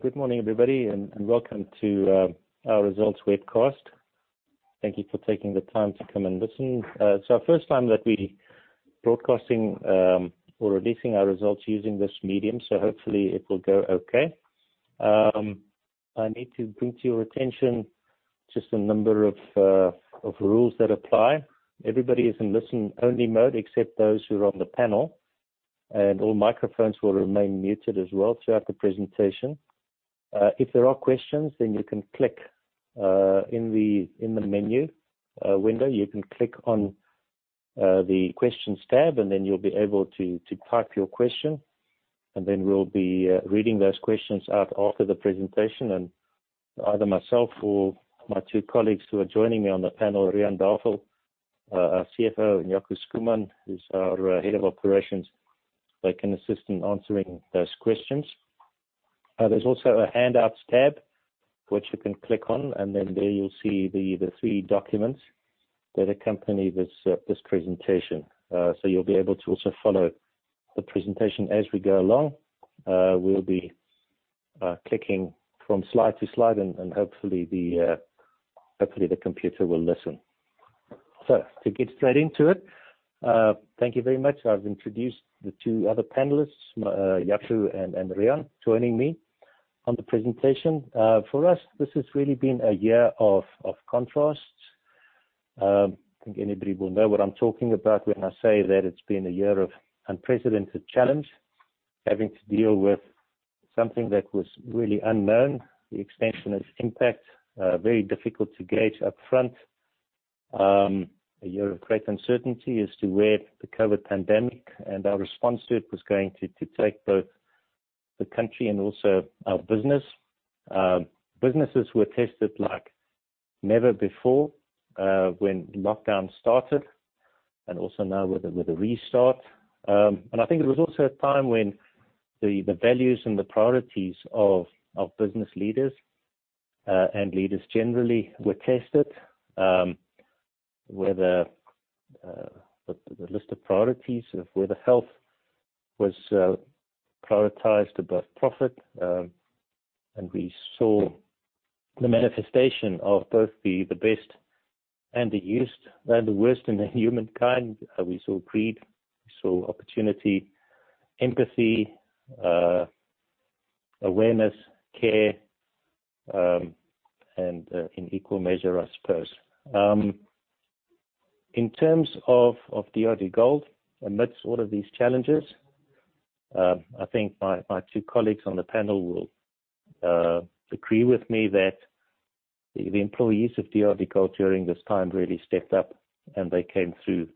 Good morning, everybody, welcome to our results webcast. Thank you for taking the time to come and listen. It's our first time that we're broadcasting or releasing our results using this medium, so hopefully it will go okay. I need to bring to your attention just a number of rules that apply. Everybody is in listen-only mode except those who are on the panel. All microphones will remain muted as well throughout the presentation. If there are questions, then you can click in the menu window. You can click on the Questions tab, and then you'll be able to type your question. We'll be reading those questions out after the presentation, and either myself or my two colleagues who are joining me on the panel, Riaan Davel, our CFO, and Jaco Schoeman, who's our Head of Operations, they can assist in answering those questions. There's also a Handouts tab, which you can click on, and then there you'll see the three documents that accompany this presentation. You'll be able to also follow the presentation as we go along. We'll be clicking from slide to slide and hopefully the computer will listen. To get straight into it. Thank you very much. I've introduced the two other panelists, Jaco and Riaan, joining me on the presentation. For us, this has really been a year of contrasts. I think anybody will know what I'm talking about when I say that it's been a year of unprecedented challenge, having to deal with something that was really unknown, the extent and its impact, very difficult to gauge up front. A year of great uncertainty as to where the COVID pandemic and our response to it was going to take both the country and also our business. Businesses were tested like never before, when lockdown started, and also now with the restart. I think it was also a time when the values and the priorities of business leaders, and leaders generally, were tested, where the list of priorities, of where the health was prioritized above profit. We saw the manifestation of both the best and the worst in humankind. We saw greed, we saw opportunity, empathy, awareness, care, and in equal measure, I suppose. In terms of DRDGOLD, amidst all of these challenges, I think my two colleagues on the panel will agree with me that the employees of DRDGOLD during this time really stepped up, and they came through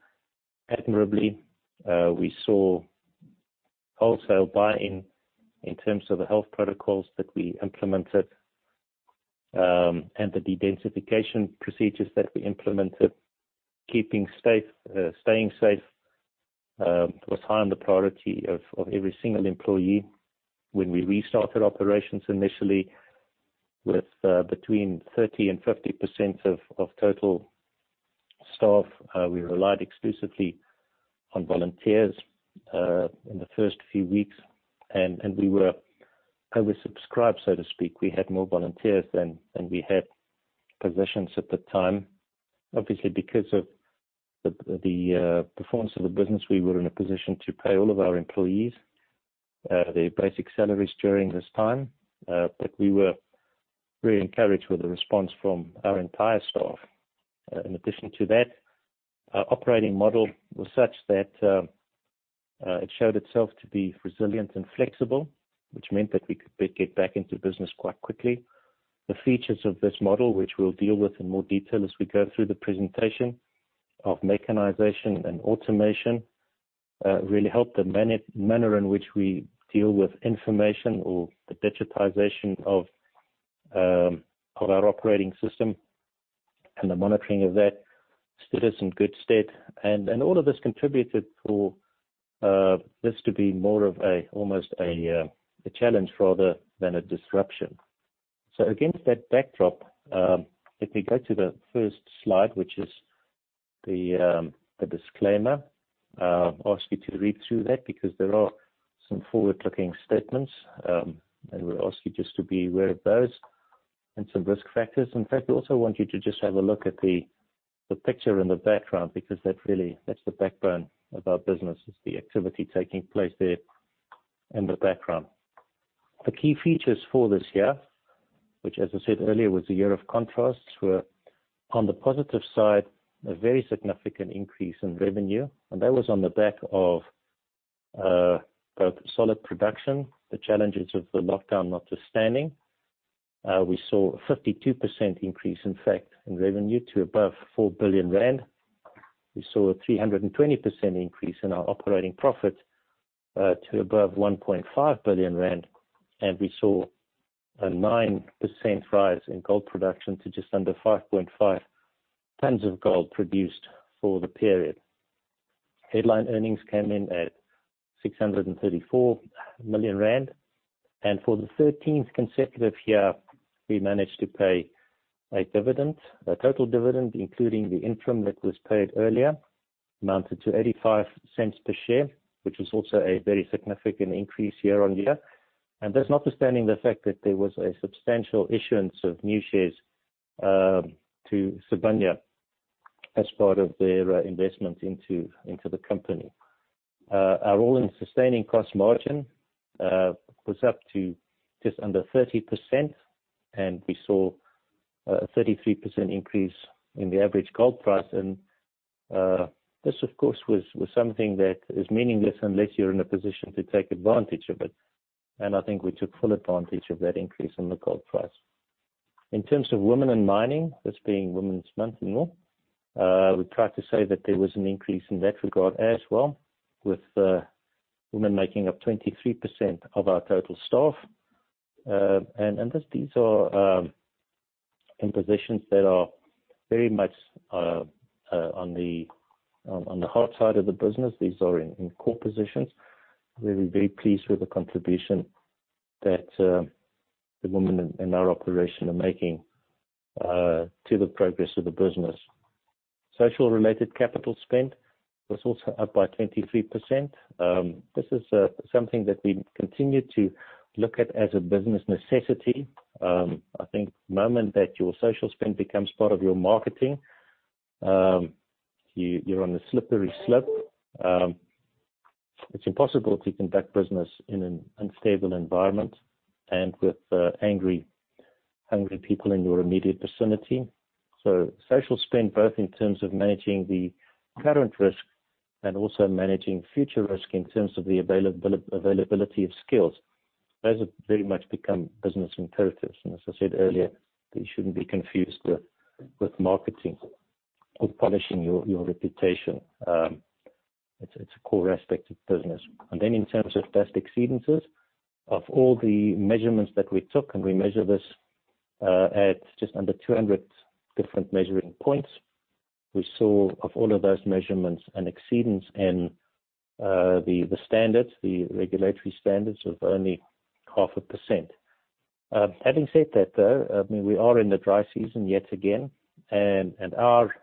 admirably. We saw wholesale buy-in, in terms of the health protocols that we implemented, and the dedensification procedures that we implemented. Keeping safe, staying safe, was high on the priority of every single employee. When we restarted operations initially with between 30% and 50% of total staff, we relied exclusively on volunteers in the first few weeks, and we were oversubscribed, so to speak. We had more volunteers than we had positions at the time. Obviously, because of the performance of the business, we were in a position to pay all of our employees their basic salaries during this time. We were very encouraged with the response from our entire staff. In addition to that, our operating model was such that it showed itself to be resilient and flexible, which meant that we could get back into business quite quickly. The features of this model, which we'll deal with in more detail as we go through the presentation, of mechanization and automation, really helped the manner in which we deal with information or the digitization of our operating system and the monitoring of that. Still is in good stead. All of this contributed for this to be more of almost a challenge rather than a disruption. Against that backdrop, if we go to the first slide, which is the disclaimer. I'll ask you to read through that because there are some forward-looking statements, and we'll ask you just to be aware of those, and some risk factors. In fact, we also want you to just have a look at the picture in the background, because that's the backbone of our business, is the activity taking place there in the background. The key features for this year, which as I said earlier, was a year of contrasts, were on the positive side, a very significant increase in revenue. That was on the back of both solid production, the challenges of the lockdown notwithstanding. We saw a 52% increase, in fact, in revenue to above 4 billion rand. We saw a 320% increase in our operating profit to above 1.5 billion rand. We saw a 9% rise in gold production to just under 5.5 tons of gold produced for the period. Headline earnings came in at 634 million rand. For the 13th consecutive year, we managed to pay a dividend, a total dividend, including the interim that was paid earlier, amounted to 0.85 per share, which was also a very significant increase year-on-year. That's notwithstanding the fact that there was a substantial issuance of new shares to Sibanye as part of their investment into the company. Our all-in sustaining cost margin was up to just under 30%, and we saw a 33% increase in the average gold price. This, of course, was something that is meaningless unless you're in a position to take advantage of it. I think we took full advantage of that increase in the gold price. In terms of women in mining, this being Women's Month and all, we're proud to say that there was an increase in that regard as well, with women making up 23% of our total staff. These are in positions that are very much on the hard side of the business. These are in core positions. We're very pleased with the contribution that the women in our operation are making to the progress of the business. Social related capital spend was also up by 23%. This is something that we continue to look at as a business necessity. I think the moment that your social spend becomes part of your marketing, you're on a slippery slope. It's impossible to conduct business in an unstable environment and with angry, hungry people in your immediate vicinity. Social spend, both in terms of managing the current risk and also managing future risk in terms of the availability of skills, those have very much become business imperatives. As I said earlier, they shouldn't be confused with marketing or polishing your reputation. It's a core aspect of business. Then in terms of dust exceedances, of all the measurements that we took, and we measure this at just under 200 different measuring points, we saw, of all of those measurements, an exceedance in the standards, the regulatory standards of only half a percent. Having said that, though, we are in the dry season yet again, and our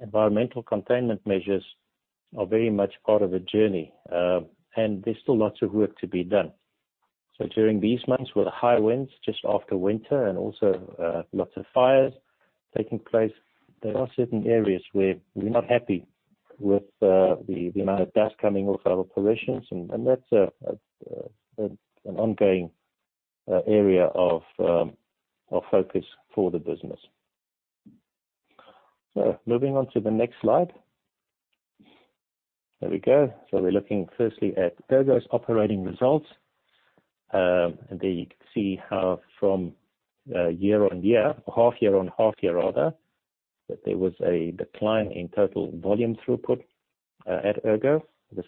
environmental containment measures are very much part of a journey. There's still lots of work to be done. During these months, with the high winds just after winter and also lots of fires taking place, there are certain areas where we're not happy with the amount of dust coming off our operations, and that's an ongoing area of focus for the business. Moving on to the next slide. There we go. We're looking firstly at Ergo's operating results. There you can see how from year on year, half year on half year rather, that there was a decline in total volume throughput at Ergo, the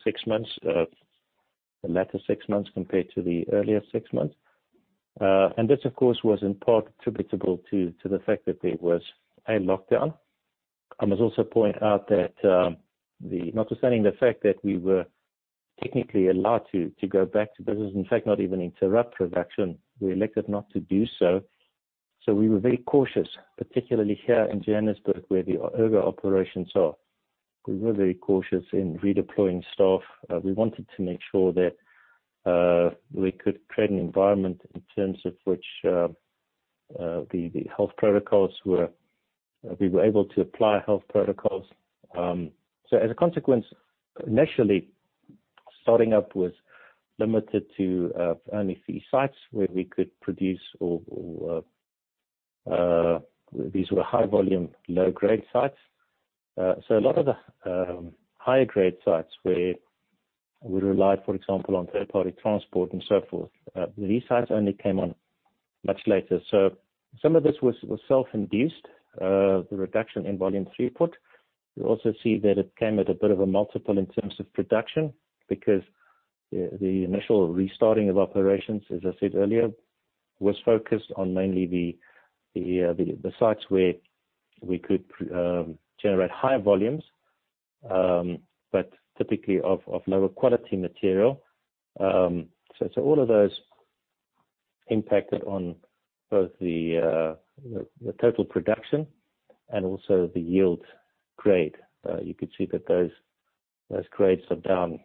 latter six months compared to the earlier six months. This, of course, was in part attributable to the fact that there was a lockdown. I must also point out that notwithstanding the fact that we were technically allowed to go back to business, in fact, not even interrupt production, we elected not to do so. We were very cautious, particularly here in Johannesburg, where the Ergo operations are. We were very cautious in redeploying staff. We wanted to make sure that we could create an environment in terms of which we were able to apply health protocols. As a consequence, initially, starting up was limited to only a few sites where we could produce, or these were high volume, low grade sites. A lot of the higher grade sites where we relied, for example, on third party transport and so forth, these sites only came on much later. Some of this was self-induced, the reduction in volume throughput. You also see that it came at a bit of a multiple in terms of production because the initial restarting of operations, as I said earlier, was focused on mainly the sites where we could generate higher volumes, but typically of lower quality material. All of those impacted on both the total production and also the yield grade. You could see that those grades are down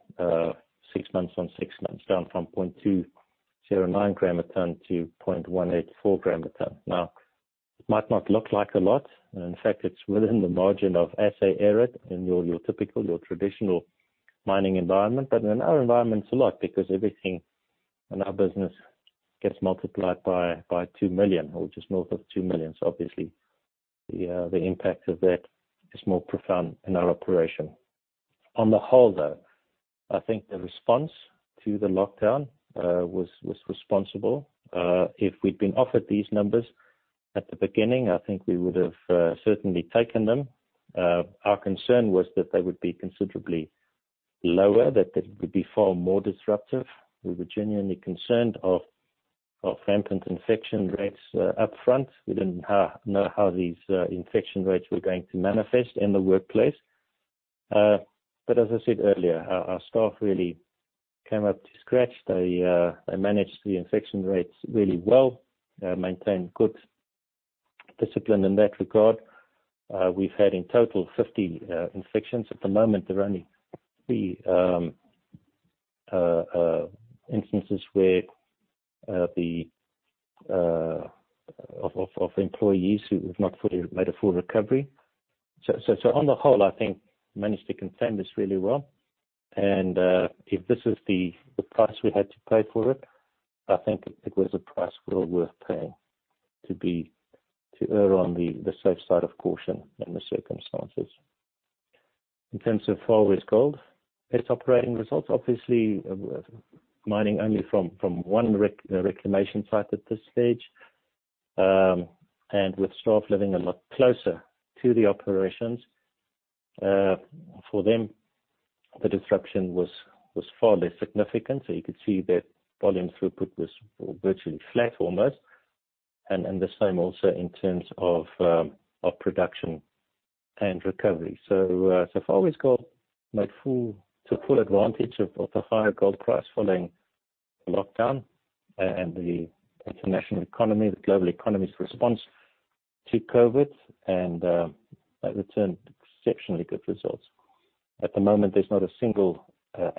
six months on six months, down from 0.209 gm a ton-0.184 gm a ton. It might not look like a lot. In fact, it's within the margin of assay error in your typical, your traditional mining environment. In our environment, it's a lot because everything in our business gets multiplied by 2 million or just north of 2 million. The impact of that is more profound in our operation. On the whole, though, I think the response to the lockdown was responsible. If we'd been offered these numbers at the beginning, I think we would have certainly taken them. Our concern was that they would be considerably lower, that it would be far more disruptive. We were genuinely concerned of rampant infection rates upfront. We didn't know how these infection rates were going to manifest in the workplace. As I said earlier, our staff really came up to scratch. They managed the infection rates really well, maintained good discipline in that regard. We've had in total 50 infections. At the moment, there are only three instances of employees who have not made a full recovery. On the whole, I think managed to contain this really well. If this is the price we had to pay for it, I think it was a price well worth paying to err on the safe side of caution in the circumstances. In terms of Far West Gold, its operating results, obviously, mining only from one reclamation site at this stage, and with staff living a lot closer to the operations. For them, the disruption was far less significant. You could see that volume throughput was virtually flat almost, and the same also in terms of production and recovery. Far West Gold took full advantage of the higher gold price following the lockdown and the international economy, the global economy's response to COVID, and returned exceptionally good results. At the moment, there's not a single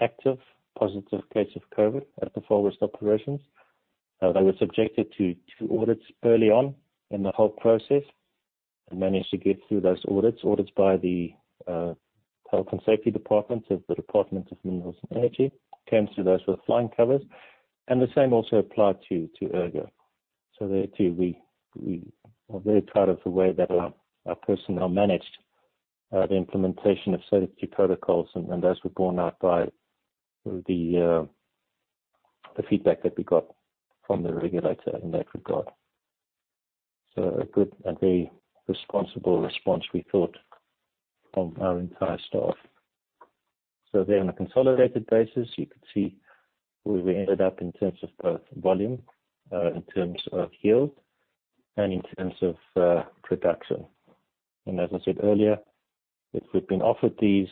active positive case of COVID at the Far West operations. They were subjected to two audits early on in the whole process and managed to get through those audits. Audits by the Health and Safety Department of the Department of Mineral Resources and Energy, came through those with flying colors. The same also applied to Ergo. There too, we are very proud of the way that our personnel managed the implementation of safety protocols, and those were borne out by the feedback that we got from the regulator in that regard. A good and very responsible response, we thought, from our entire staff. There on a consolidated basis, you could see where we ended up in terms of both volume, in terms of yield, and in terms of production. As I said earlier, if we'd been offered these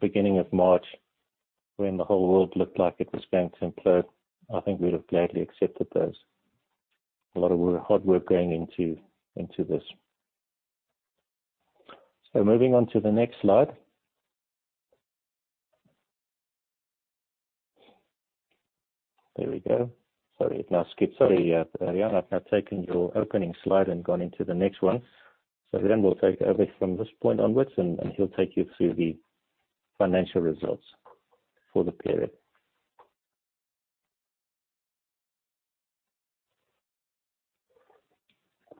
beginning of March, when the whole world looked like it was going to implode, I think we'd have gladly accepted those. A lot of hard work going into this. Moving on to the next slide. There we go. Sorry. Sorry, Riaan, I've now taken your opening slide and gone into the next one. We'll take over from this point onwards, and he'll take you through the financial results for the period.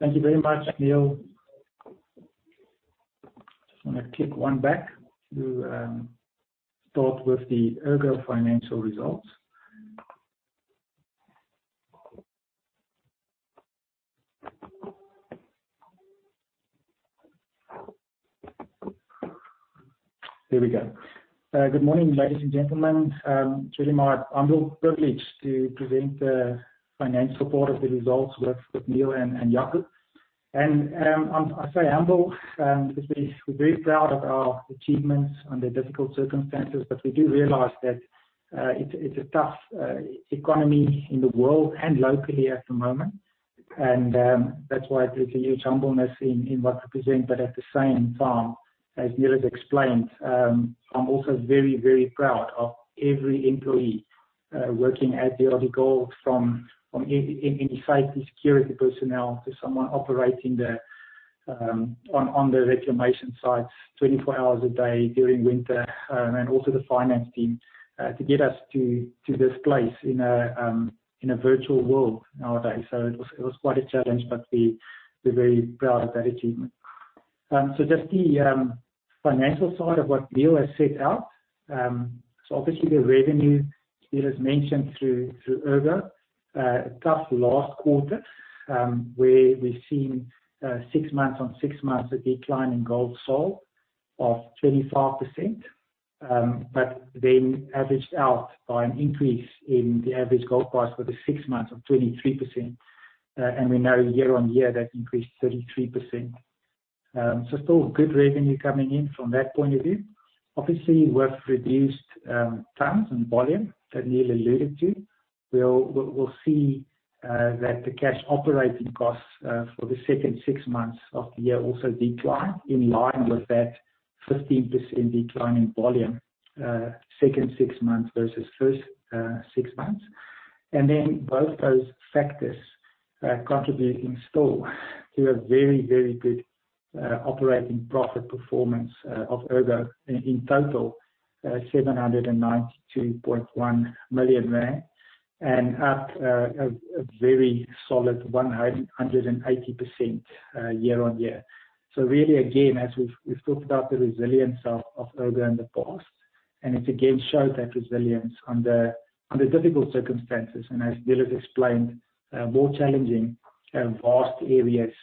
Thank you very much, Niël. Just want to click one back to start with the Ergo financial results. There we go. Good morning, ladies and gentlemen. It is really my humble privilege to present the financial part of the results with Niël and Jaco. I say humble, because we are very proud of our achievements under difficult circumstances. We do realize that it is a tough economy in the world and locally at the moment. That is why there is a huge humbleness in what I present. At the same time, as Niël has explained, I am also very, very proud of every employee working at DRDGOLD, from any safety, security personnel to someone operating on the reclamation sites 24 hours a day during winter, also the finance team to get us to this place in a virtual world nowadays. It was quite a challenge, but we're very proud of that achievement. Just the financial side of what Niël has set out. Obviously, the revenue, Niël has mentioned through Ergo, a tough last quarter, where we've seen six months on six months a decline in gold sold of 25%. Averaged out by an increase in the average gold price for the six months of 23%. We know year-over-year, that increased 33%. Still good revenue coming in from that point of view. Obviously, with reduced tons and volume that Niël alluded to, we'll see that the cash operating costs for the second six months of the year also decline in line with that 15% decline in volume, second six months versus first six months. Both those factors contributing still to a very good operating profit performance of Ergo. In total, 792.1 million rand, up a very solid 180% year-on-year. Really, again, as we've talked about the resilience of Ergo in the past, it again showed that resilience under difficult circumstances, as Niël has explained, more challenging vast areas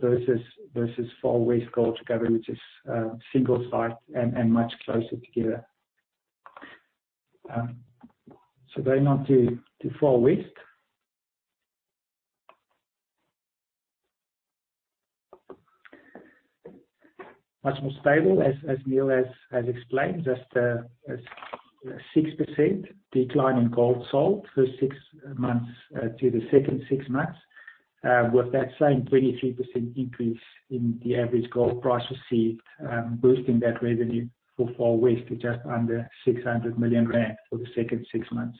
versus Far West Gold together, which is a single site and much closer together. Going on to Far West. Much more stable, as Niël has explained, just a 6% decline in gold sold first six months to the second six months. With that same 23% increase in the average gold price received, boosting that revenue for Far West to just under 600 million rand for the second six months.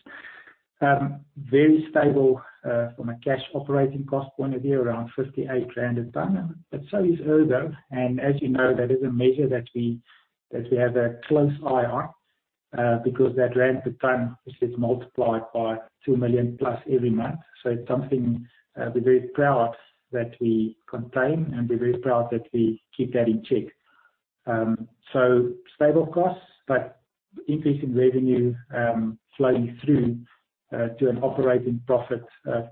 Very stable from a cash operating cost point of view, around 58 a ton. So is Ergo, and as you know, that is a measure that we have a close eye on, because that ZAR to ton, which gets multiplied by 2 million plus every month. It's something we're very proud that we contain, and we're very proud that we keep that in check. Stable costs, but increase in revenue flowing through to an operating profit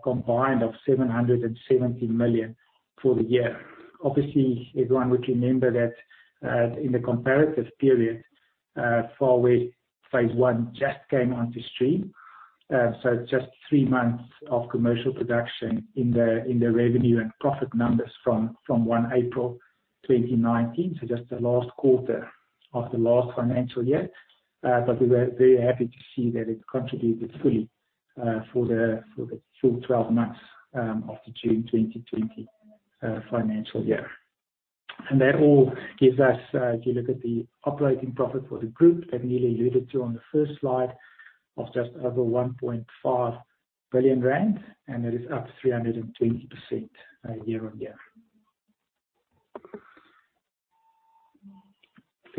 combined of 770 million for the year. Obviously, everyone would remember that in the comparative period, Far West Phase I just came onto stream. It's just three months of commercial production in the revenue and profit numbers from 1 April 2019, just the last quarter of the last financial year. We were very happy to see that it contributed fully for the full 12 months of the June 2020 financial year. That all gives us, if you look at the operating profit for the group that Niël alluded to on the first slide, of just over 1.5 billion rand, and that is up 320% year-on-year.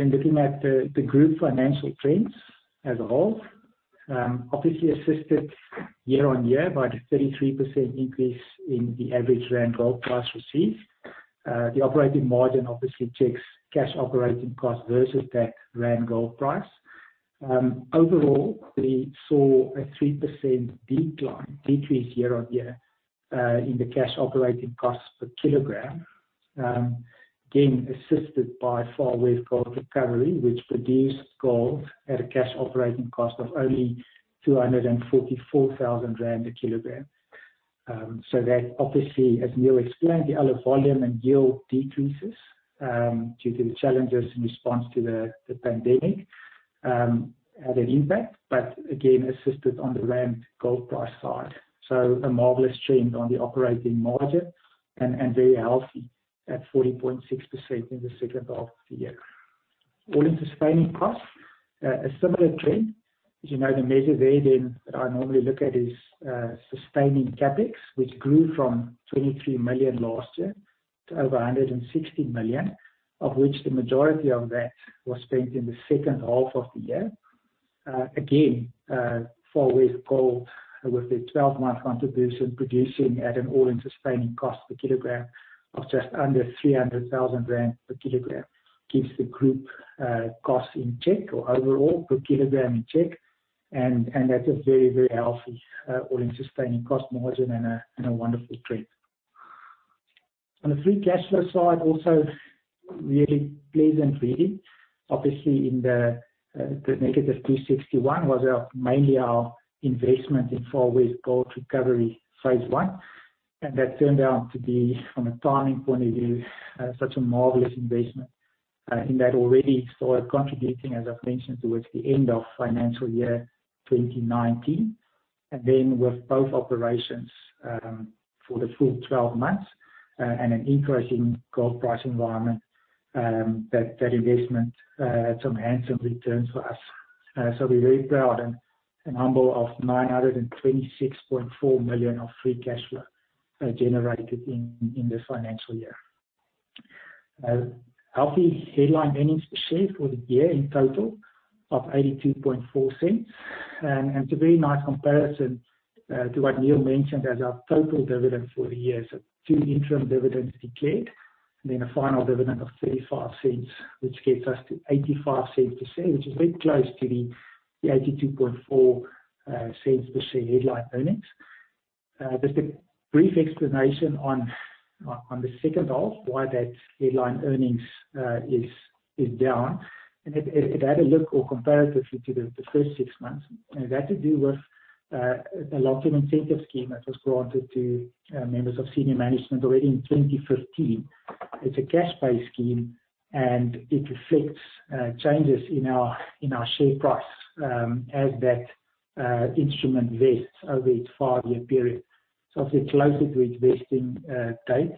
Looking at the group financial trends as a whole. Obviously assisted year-on-year by the 33% increase in the average ZAR gold price received. The operating margin obviously checks cash operating cost versus that ZAR gold price. Overall, we saw a 3% decline, decrease year-on-year, in the cash operating cost per kilogram, again, assisted by Far West Gold Recoveries, which produced gold at a cash operating cost of only 244,000 rand a kilogram. That obviously, as Niël explained, the lower volume and yield decreases due to the challenges in response to the pandemic had an impact, but again, assisted on the ZAR gold price side. A marvelous change on the operating margin and very healthy at 40.6% in the second half of the year. all-in sustaining costs, a similar trend. As you know, the measure there then that I normally look at is sustaining CapEx, which grew from 23 million last year to over 160 million, of which the majority of that was spent in the second half of the year. Again, Far West Gold, with their 12-month contribution, producing at an all-in sustaining cost per kilogram of just under 300,000 rand per kilogram, keeps the group costs in check or overall per kilogram in check. That's a very healthy all-in sustaining cost margin and a wonderful trend. On the free cash flow side, also really pleasant reading. Obviously in the 261 million was mainly our investment in Far West Gold Recoveries Phase I. That turned out to be, from a timing point of view, such a marvelous investment in that already started contributing, as I've mentioned, towards the end of financial year 2019. With both operations for the full 12 months and an increasing gold price environment, that investment had some handsome returns for us. We're very proud and humble of 926.4 million of free cash flow generated in the financial year. A healthy Headline Earnings Per Share for the year in total of 0.824. It's a very nice comparison to what Niël mentioned as our total dividend for the year. Two interim dividends declared, then a final dividend of 0.35, which gets us to 0.85 a share, which is very close to the 0.824 per share Headline Earnings. Just a brief explanation on the second half why that headline earnings is down. If you had a look or comparatively to the first six months, and that to do with the long-term incentive scheme that was granted to members of senior management already in 2015. It’s a cash-based scheme, and it reflects changes in our share price as that instrument vests over its five-year period. As we get closer to its vesting date,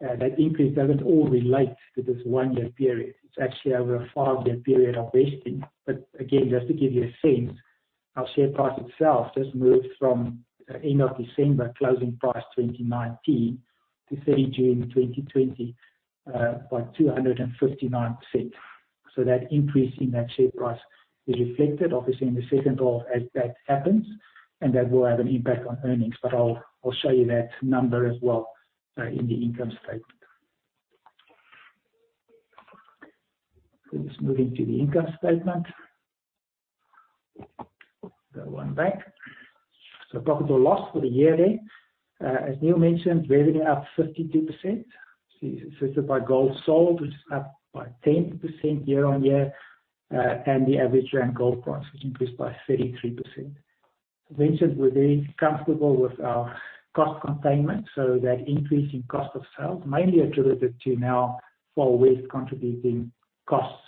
that increase doesn’t all relate to this one-year period. It’s actually over a five-year period of vesting. Again, just to give you a sense, our share price itself just moved from end of December closing price 2019 to 30 June 2020 by 2.59. That increase in that share price is reflected, obviously, in the second half as that happens, and that will have an impact on earnings, but I'll show you that number as well in the income statement. Let's move into the income statement. Go one back. Profit or loss for the year there. As Niël mentioned, revenue up 52%, assisted by gold sold, which is up by 10% year-on-year, and the average rand gold price, which increased by 33%. Mentioned we're very comfortable with our cost containment, so that increase in cost of sales mainly attributed to now Far West contributing costs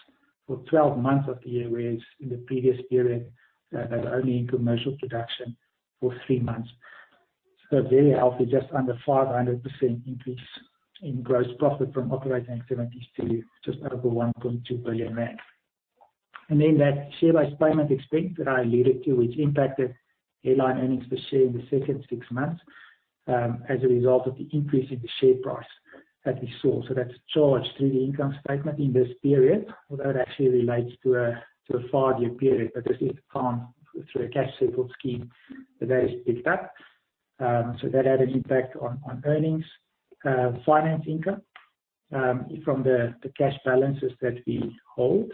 for 12 months of the year, whereas in the previous period, they were only in commercial production for three months. Very healthy, just under 500% increase in gross profit from operating activities to just over 1.2 billion rand. That share-based payment expense that I alluded to, which impacted Headline Earnings Per Share in the second six months, as a result of the increase in the share price that we saw. That's charged through the income statement in this period, although it actually relates to a five-year period. This is the fund through a cash settled scheme that is picked up. That had an impact on earnings. Finance income from the cash balances that we hold,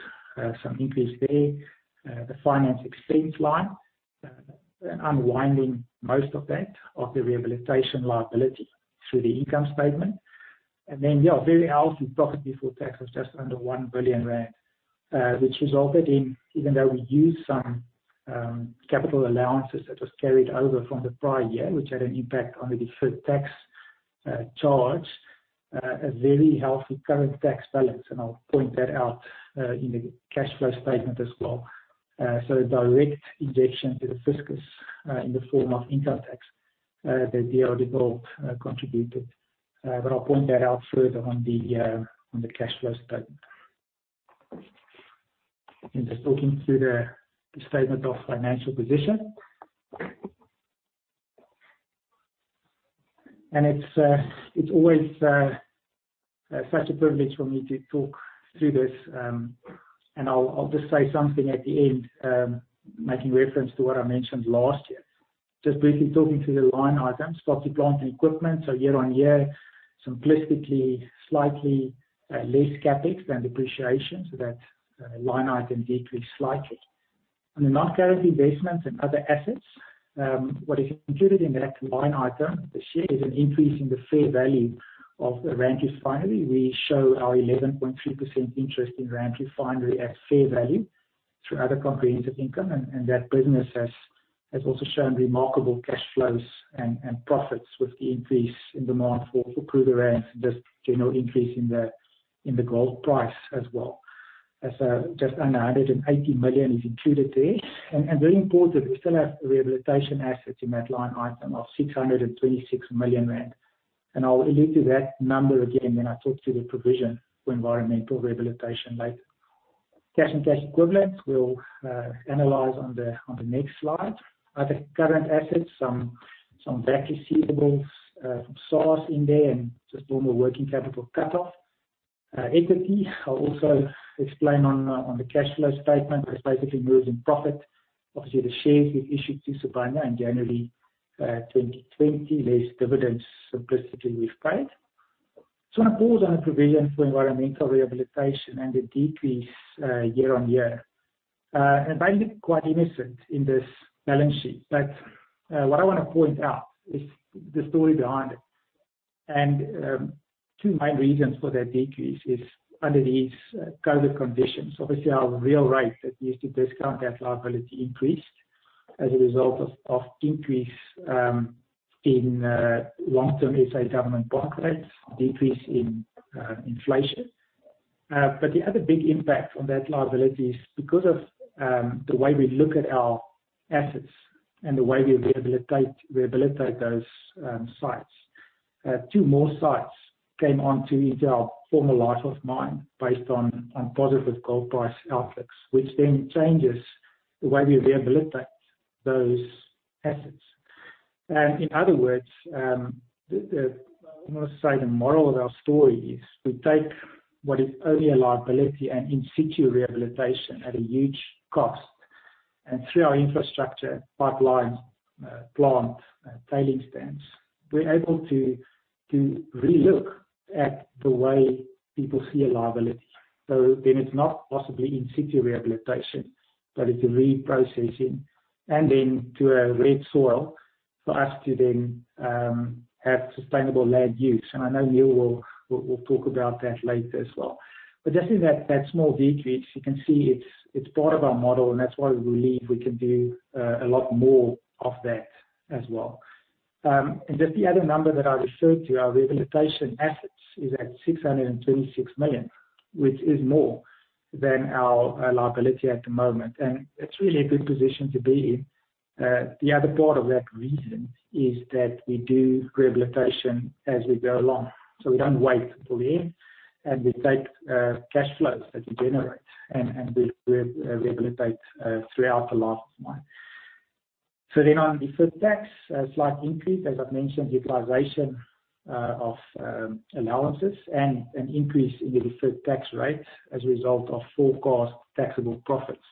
some increase there. The finance expense line, unwinding most of that, of the rehabilitation liability through the income statement. Very healthy profit before tax was just under 1 billion rand, which resulted in, even though we used some capital allowances that was carried over from the prior year, which had an impact on the deferred tax charge, a very healthy current tax balance. I'll point that out in the cash flow statement as well. A direct injection to the fiscus in the form of income tax that DRDGOLD contributed. I'll point that out further on the cash flow statement. Just talking through the statement of financial position. It's always such a privilege for me to talk through this, and I'll just say something at the end, making reference to what I mentioned last year. Just briefly talking through the line items. Property, plant, and equipment, so year-on-year, simplistically, slightly less CapEx than depreciation. That line item decreased slightly. On the non-current investments and other assets, what is included in that line item this year is an increase in the fair value of the Rand Refinery. We show our 11.3% interest in Rand Refinery at fair value through other comprehensive income. That business has also shown remarkable cash flows and profits with the increase in demand for crude oil and just general increase in the gold price as well. Just under 180 million is included there. Very important, we still have rehabilitation assets in that line item of 626 million rand. I'll allude to that number again when I talk through the provision for environmental rehabilitation later. Cash and cash equivalents, we'll analyze on the next slide. Other current assets, some VAT receivables from SARS in there and just normal working capital cutoff. Equity, I'll also explain on the cash flow statement, it's basically moves in profit. Obviously, the shares we issued to Sibanye in January 2020, less dividends simplistically we've paid. Just want to pause on the provision for environmental rehabilitation and the decrease year-on-year. It may look quite innocent in this balance sheet, but what I want to point out is the story behind it. Two main reasons for that decrease is under these COVID conditions, obviously, our real rate that we use to discount that liability increased as a result of increase in long-term SA government bond rates, decrease in inflation. The other big impact on that liability is because of the way we look at our assets and the way we rehabilitate those sites. Two more sites came into our formal life of mine based on positive gold price outlooks, which changes the way we rehabilitate those assets. In other words, I want to say the moral of our story is we take what is only a liability and in situ rehabilitation at a huge cost. Through our infrastructure, pipelines, plant, tailing stands, we're able to relook at the way people see a liability. It's not possibly in situ rehabilitation, but it's a reprocessing and into a red soil for us to then have sustainable land use. I know Niël will talk about that later as well. Just in that small decrease, you can see it's part of our model, and that's why we believe we can do a lot more of that as well. Just the other number that I referred to, our rehabilitation assets is at 626 million, which is more than our liability at the moment. It's really a good position to be in. The other part of that reason is that we do rehabilitation as we go along. We don't wait till the end, and we take cash flows as we generate and we rehabilitate throughout the life of mine. On deferred tax, a slight increase, as I've mentioned, utilization of allowances and an increase in the deferred tax rate as a result of forecast taxable profits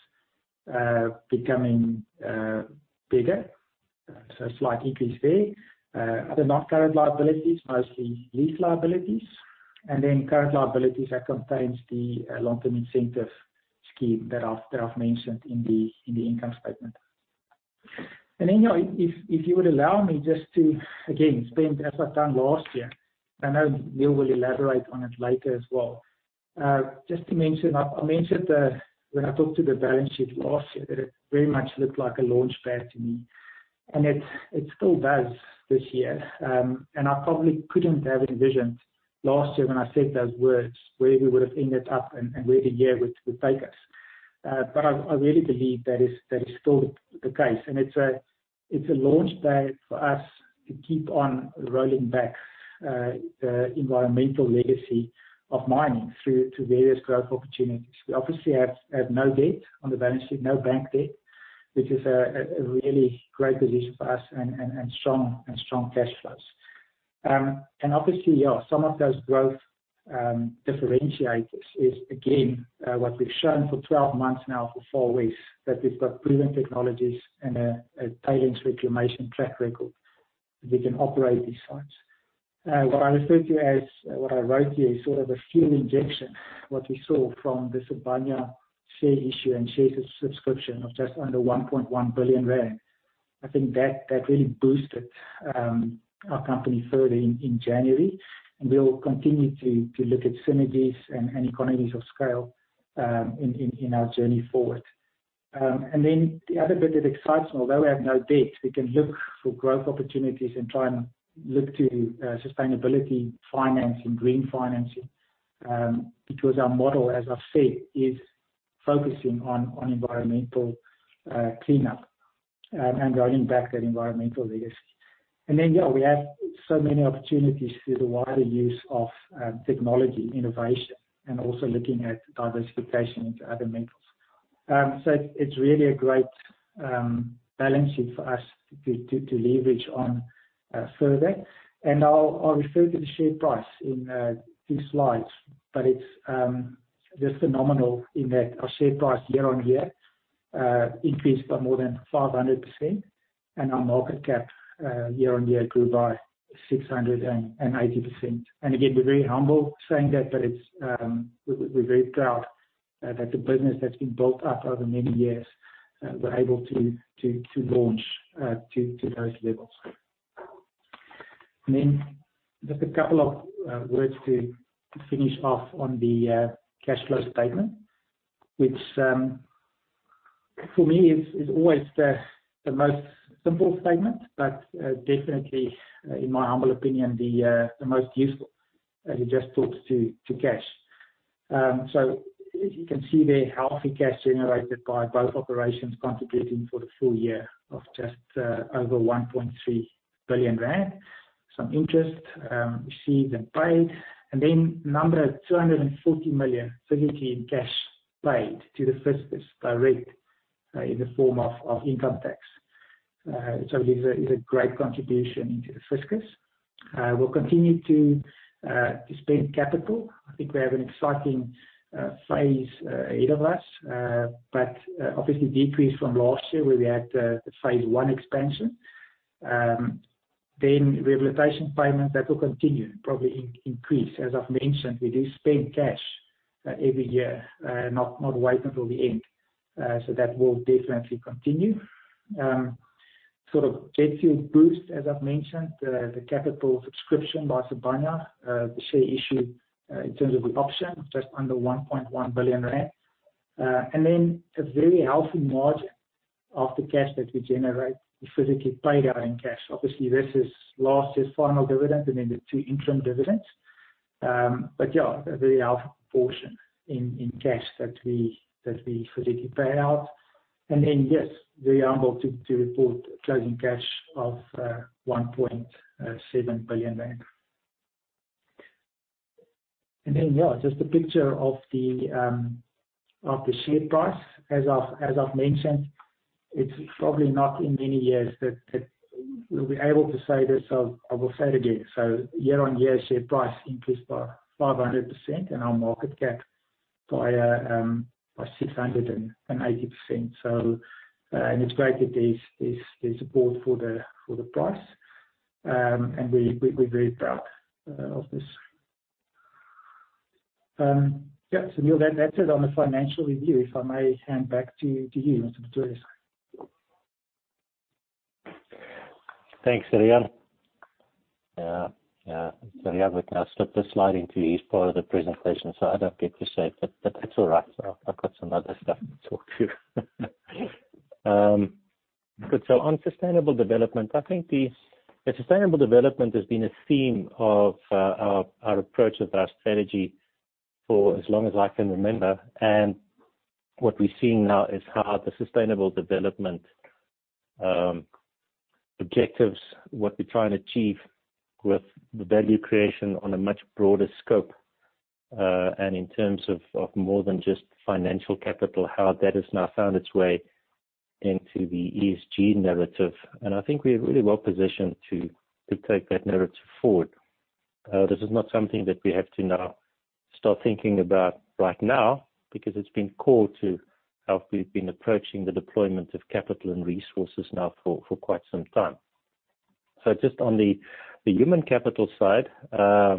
becoming bigger. A slight increase there. Other non-current liabilities, mostly lease liabilities, and then current liabilities that contains the long-term incentive scheme that I've mentioned in the income statement. If you would allow me just to, again, spend, as I've done last year, I know Niël will elaborate on it later as well. Just to mention, I mentioned when I talked to the balance sheet last year that it very much looked like a launchpad to me, and it still does this year. I probably couldn't have envisioned last year when I said those words, where we would have ended up and where the year would take us. I really believe that is still the case, and it's a launchpad for us to keep on rolling back the environmental legacy of mining through to various growth opportunities. We obviously have no debt on the balance sheet, no bank debt, which is a really great position for us and strong cash flows. Obviously, some of those growth differentiators is again, what we've shown for 12 months now for Far West, that we've got proven technologies and a tailings reclamation track record, that we can operate these sites. What I refer to as, what I wrote here is sort of a fuel injection, what we saw from the Sibanye share issue and share subscription of just under 1.1 billion rand. I think that really boosted our company further in January, and we will continue to look at synergies and economies of scale in our journey forward. The other bit that excites me, although we have no debt, we can look for growth opportunities and try and look to sustainability financing, green financing, because our model, as I have said, is focusing on environmental cleanup and rolling back that environmental legacy. We have so many opportunities through the wider use of technology, innovation, and also looking at diversification into other metals. It is really a great balance sheet for us to leverage on further. I will refer to the share price in a few slides, but it is just phenomenal in that our share price year on year increased by more than 500%, and our market cap year-on-year grew by 680%. Again, we're very humble saying that, but we're very proud that the business that's been built up over many years, we're able to launch to those levels. Then just a couple of words to finish off on the cash flow statement, which for me is always the most simple statement, but definitely, in my humble opinion, the most useful, as it just talks to cash. You can see there healthy cash generated by both operations contributing for the full year of just over 1.3 billion rand. Some interest received and paid, and then number 240 million physically in cash paid to the fiscus direct in the form of income tax, which I believe is a great contribution into the fiscus. We'll continue to spend capital. I think we have an exciting phase ahead of us, but obviously decrease from last year where we had the Phase I expansion. Rehabilitation payments, that will continue, probably increase. As I've mentioned, we do spend cash every year, not wait until the end. That will definitely continue. Sort of jet-fuel boost, as I've mentioned, the capital subscription by Sibanye, the share issue in terms of the option of just under 1.1 billion rand. A very healthy margin of the cash that we generate, we physically pay out in cash. Obviously, this is last year's final dividend and then the two interim dividends. Yeah, a very healthy portion in cash that we physically pay out. Yes, very humble to report closing cash of 1.7 billion rand. Just a picture of the share price. As I've mentioned, it's probably not in many years that we'll be able to say this, so I will say it again. Year-on-year share price increased by 500% and our market cap by 680%. It's great that there's support for the price. We're very proud of this. Niël, that's it on the financial review. If I may hand back to you. Over to you. Thanks, Riaan. Yeah. Riaan would now slip this slide into his part of the presentation, I don't get to say it's all right. I've got some other stuff to talk to. Good. On sustainable development, I think the sustainable development has been a theme of our approach with our strategy for as long as I can remember. What we're seeing now is how the sustainable development objectives, what we're trying to achieve with value creation on a much broader scope, and in terms of more than just financial capital, how that has now found its way into the ESG narrative. I think we're really well-positioned to take that narrative forward. This is not something that we have to now start thinking about right now because it's been core to how we've been approaching the deployment of capital and resources now for quite some time. Just on the human capital side, I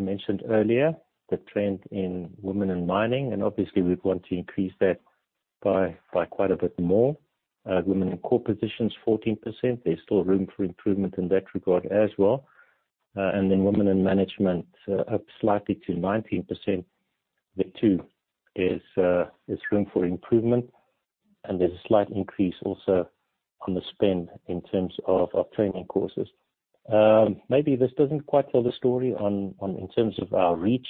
mentioned earlier the trend in women in mining, and obviously we'd want to increase that by quite a bit more. Women in core positions, 14%. There's still room for improvement in that regard as well. Women in management are up slightly to 19%. There too, is room for improvement. There's a slight increase also on the spend in terms of our training courses. Maybe this doesn't quite tell the story in terms of our reach.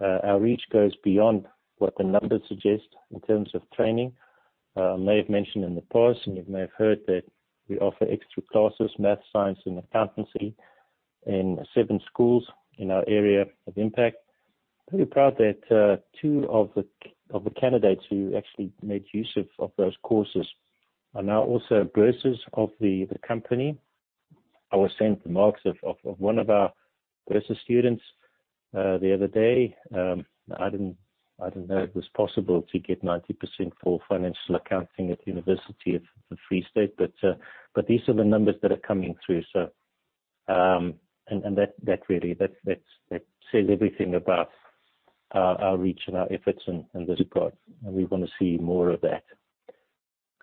Our reach goes beyond what the numbers suggest in terms of training. I may have mentioned in the past, and you may have heard that we offer extra classes, math, science, and accountancy in seven schools in our area of impact. Pretty proud that two of the candidates who actually made use of those courses are now also bursars of the company. I was sent the marks of one of our bursar students the other day. I didn't know it was possible to get 90% for financial accounting at the University of the Free State, but these are the numbers that are coming through. That really says everything about our reach and our efforts in this regard, and we want to see more of that.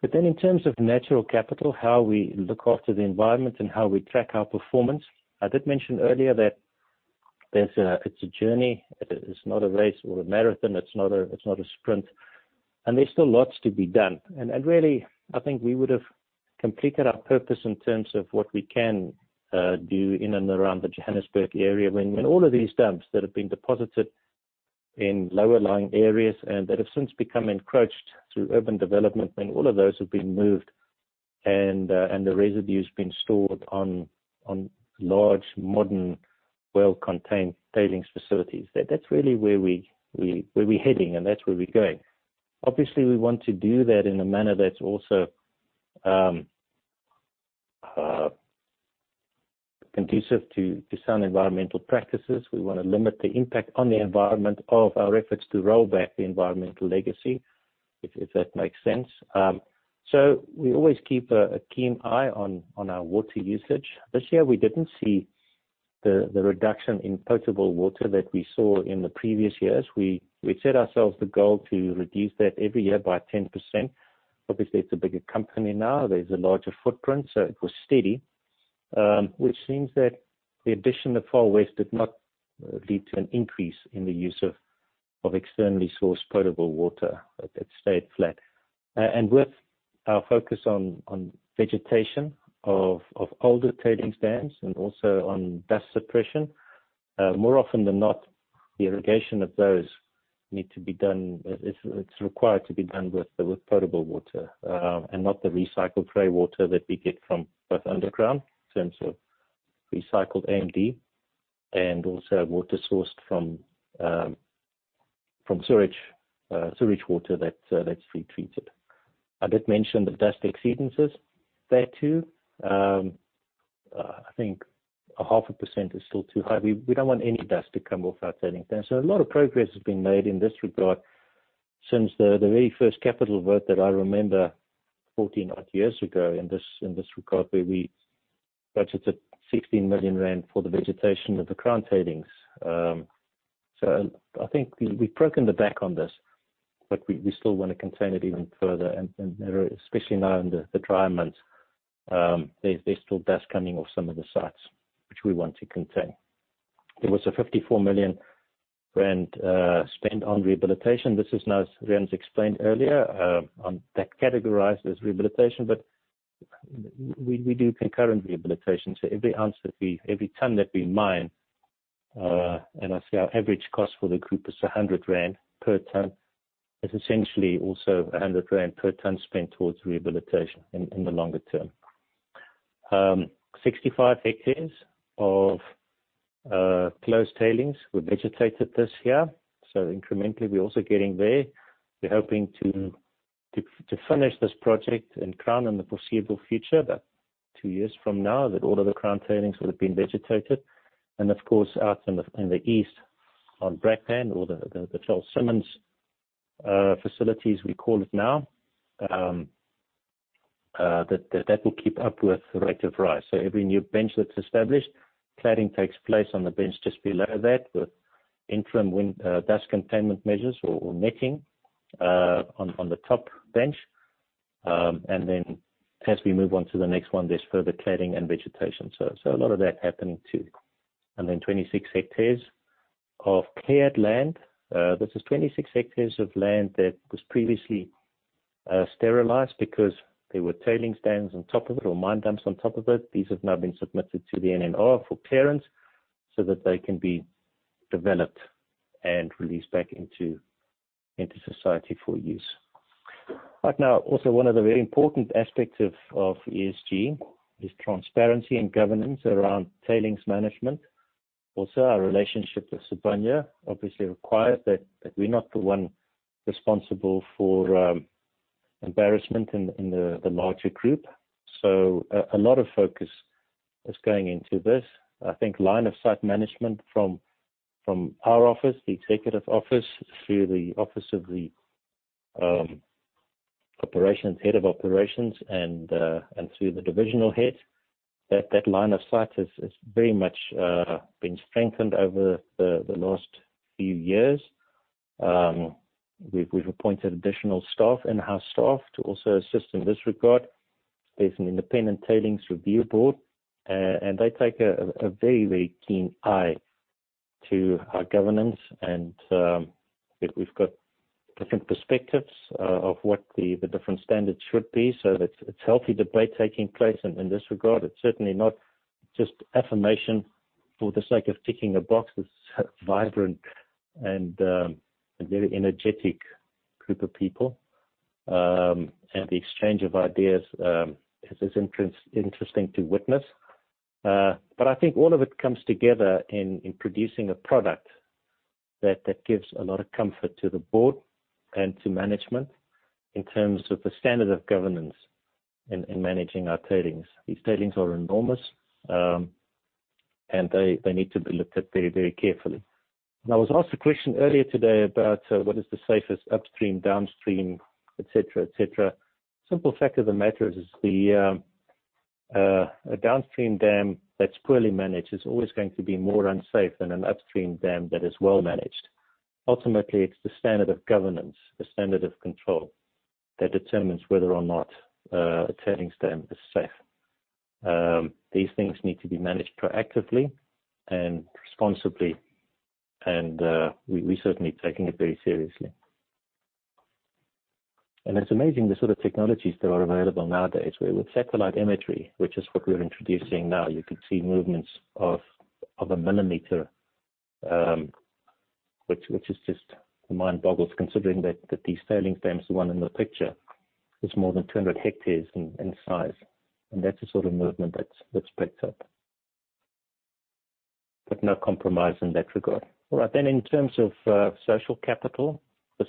In terms of natural capital, how we look after the environment and how we track our performance, I did mention earlier that it's a journey. It is not a race or a marathon. It's not a sprint. There's still lots to be done. Really, I think we would have completed our purpose in terms of what we can do in and around the Johannesburg area when all of these dumps that have been deposited in lower-lying areas, and that have since become encroached through urban development, when all of those have been moved and the residue's been stored on large, modern, well-contained tailings facilities. That's really where we're heading, and that's where we're going. Obviously, we want to do that in a manner that's also conducive to sound environmental practices. We want to limit the impact on the environment of our efforts to roll back the environmental legacy, if that makes sense. We always keep a keen eye on our water usage. This year, we didn't see the reduction in potable water that we saw in the previous years. We set ourselves the goal to reduce that every year by 10%. Obviously, it's a bigger company now. There's a larger footprint. It was steady, which means that the addition of Far West did not lead to an increase in the use of externally sourced potable water. It stayed flat. With our focus on vegetation of older tailings dams and also on dust suppression, more often than not, the irrigation of those it's required to be done with potable water, and not the recycled grey water that we get from both underground in terms of recycled AMD and also water sourced from sewage water that's pre-treated. I did mention the dust exceedances there too. I think a half a percent is still too high. We don't want any dust to come off our tailings dams. A lot of progress has been made in this regard since the very first capital work that I remember 14-odd years ago in this regard, where we budgeted 16 million rand for the vegetation of the crown tailings. I think we've broken the back on this, but we still want to contain it even further, especially now in the dry months. There's still dust coming off some of the sites, which we want to contain. There was a 54 million rand spent on rehabilitation. This is now, as Riaan explained earlier, on that categorized as rehabilitation. We do concurrent rehabilitation, so every ounce that we, every ton that we mine, and I say our average cost for the group is 100 rand per ton, is essentially also 100 rand per ton spent towards rehabilitation in the longer term. 65 hectares of closed tailings were vegetated this year. Incrementally, we're also getting there. We're hoping to finish this project in Crown in the foreseeable future, about two years from now, that all of the crown tailings would have been vegetated. Of course, out in the east on Brakpan or the Charles Cilliers facilities we call it now, that will keep up with the rate of rise. Every new bench that's established, cladding takes place on the bench just below that, with interim dust containment measures or netting on the top bench. As we move on to the next one, there's further cladding and vegetation. A lot of that happening, too. 26 hectares of cleared land. This is 26 hectares of land that was previously sterilized because there were tailings dams on top of it or mine dumps on top of it. These have now been submitted to the DMRE for clearance so that they can be developed and released back into society for use. Right now, also one of the very important aspects of ESG is transparency and governance around tailings management. Also, our relationship with Sibanye obviously requires that we're not the one responsible for embarrassment in the larger group. A lot of focus is going into this. I think line-of-sight management from our office, the executive office, through the office of the operations, head of operations, and through the divisional head. That line of sight has very much been strengthened over the last few years. We've appointed additional in-house staff to also assist in this regard. There's an independent tailings review board, and they take a very keen eye to our governance. We've got different perspectives of what the different standards should be, so it's healthy debate taking place in this regard. It's certainly not just affirmation for the sake of ticking a box. It's a vibrant and a very energetic group of people. The exchange of ideas is interesting to witness. I think all of it comes together in producing a product that gives a lot of comfort to the board and to management in terms of the standard of governance in managing our tailings. These tailings are enormous. They need to be looked at very carefully. I was asked a question earlier today about what is the safest upstream, downstream, et cetera. Simple fact of the matter is, a downstream dam that's poorly managed is always going to be more unsafe than an upstream dam that is well-managed. Ultimately, it's the standard of governance, the standard of control, that determines whether or not a tailings dam is safe. These things need to be managed proactively and responsibly, we're certainly taking it very seriously. It's amazing the sort of technologies that are available nowadays, where with satellite imagery, which is what we're introducing now, you can see movements of a millimeter, which just mind boggles considering that these tailings dams, the one in the picture, is more than 200 hectares in size. That's the sort of movement that's picked up. No compromise in that regard. All right. In terms of social capital,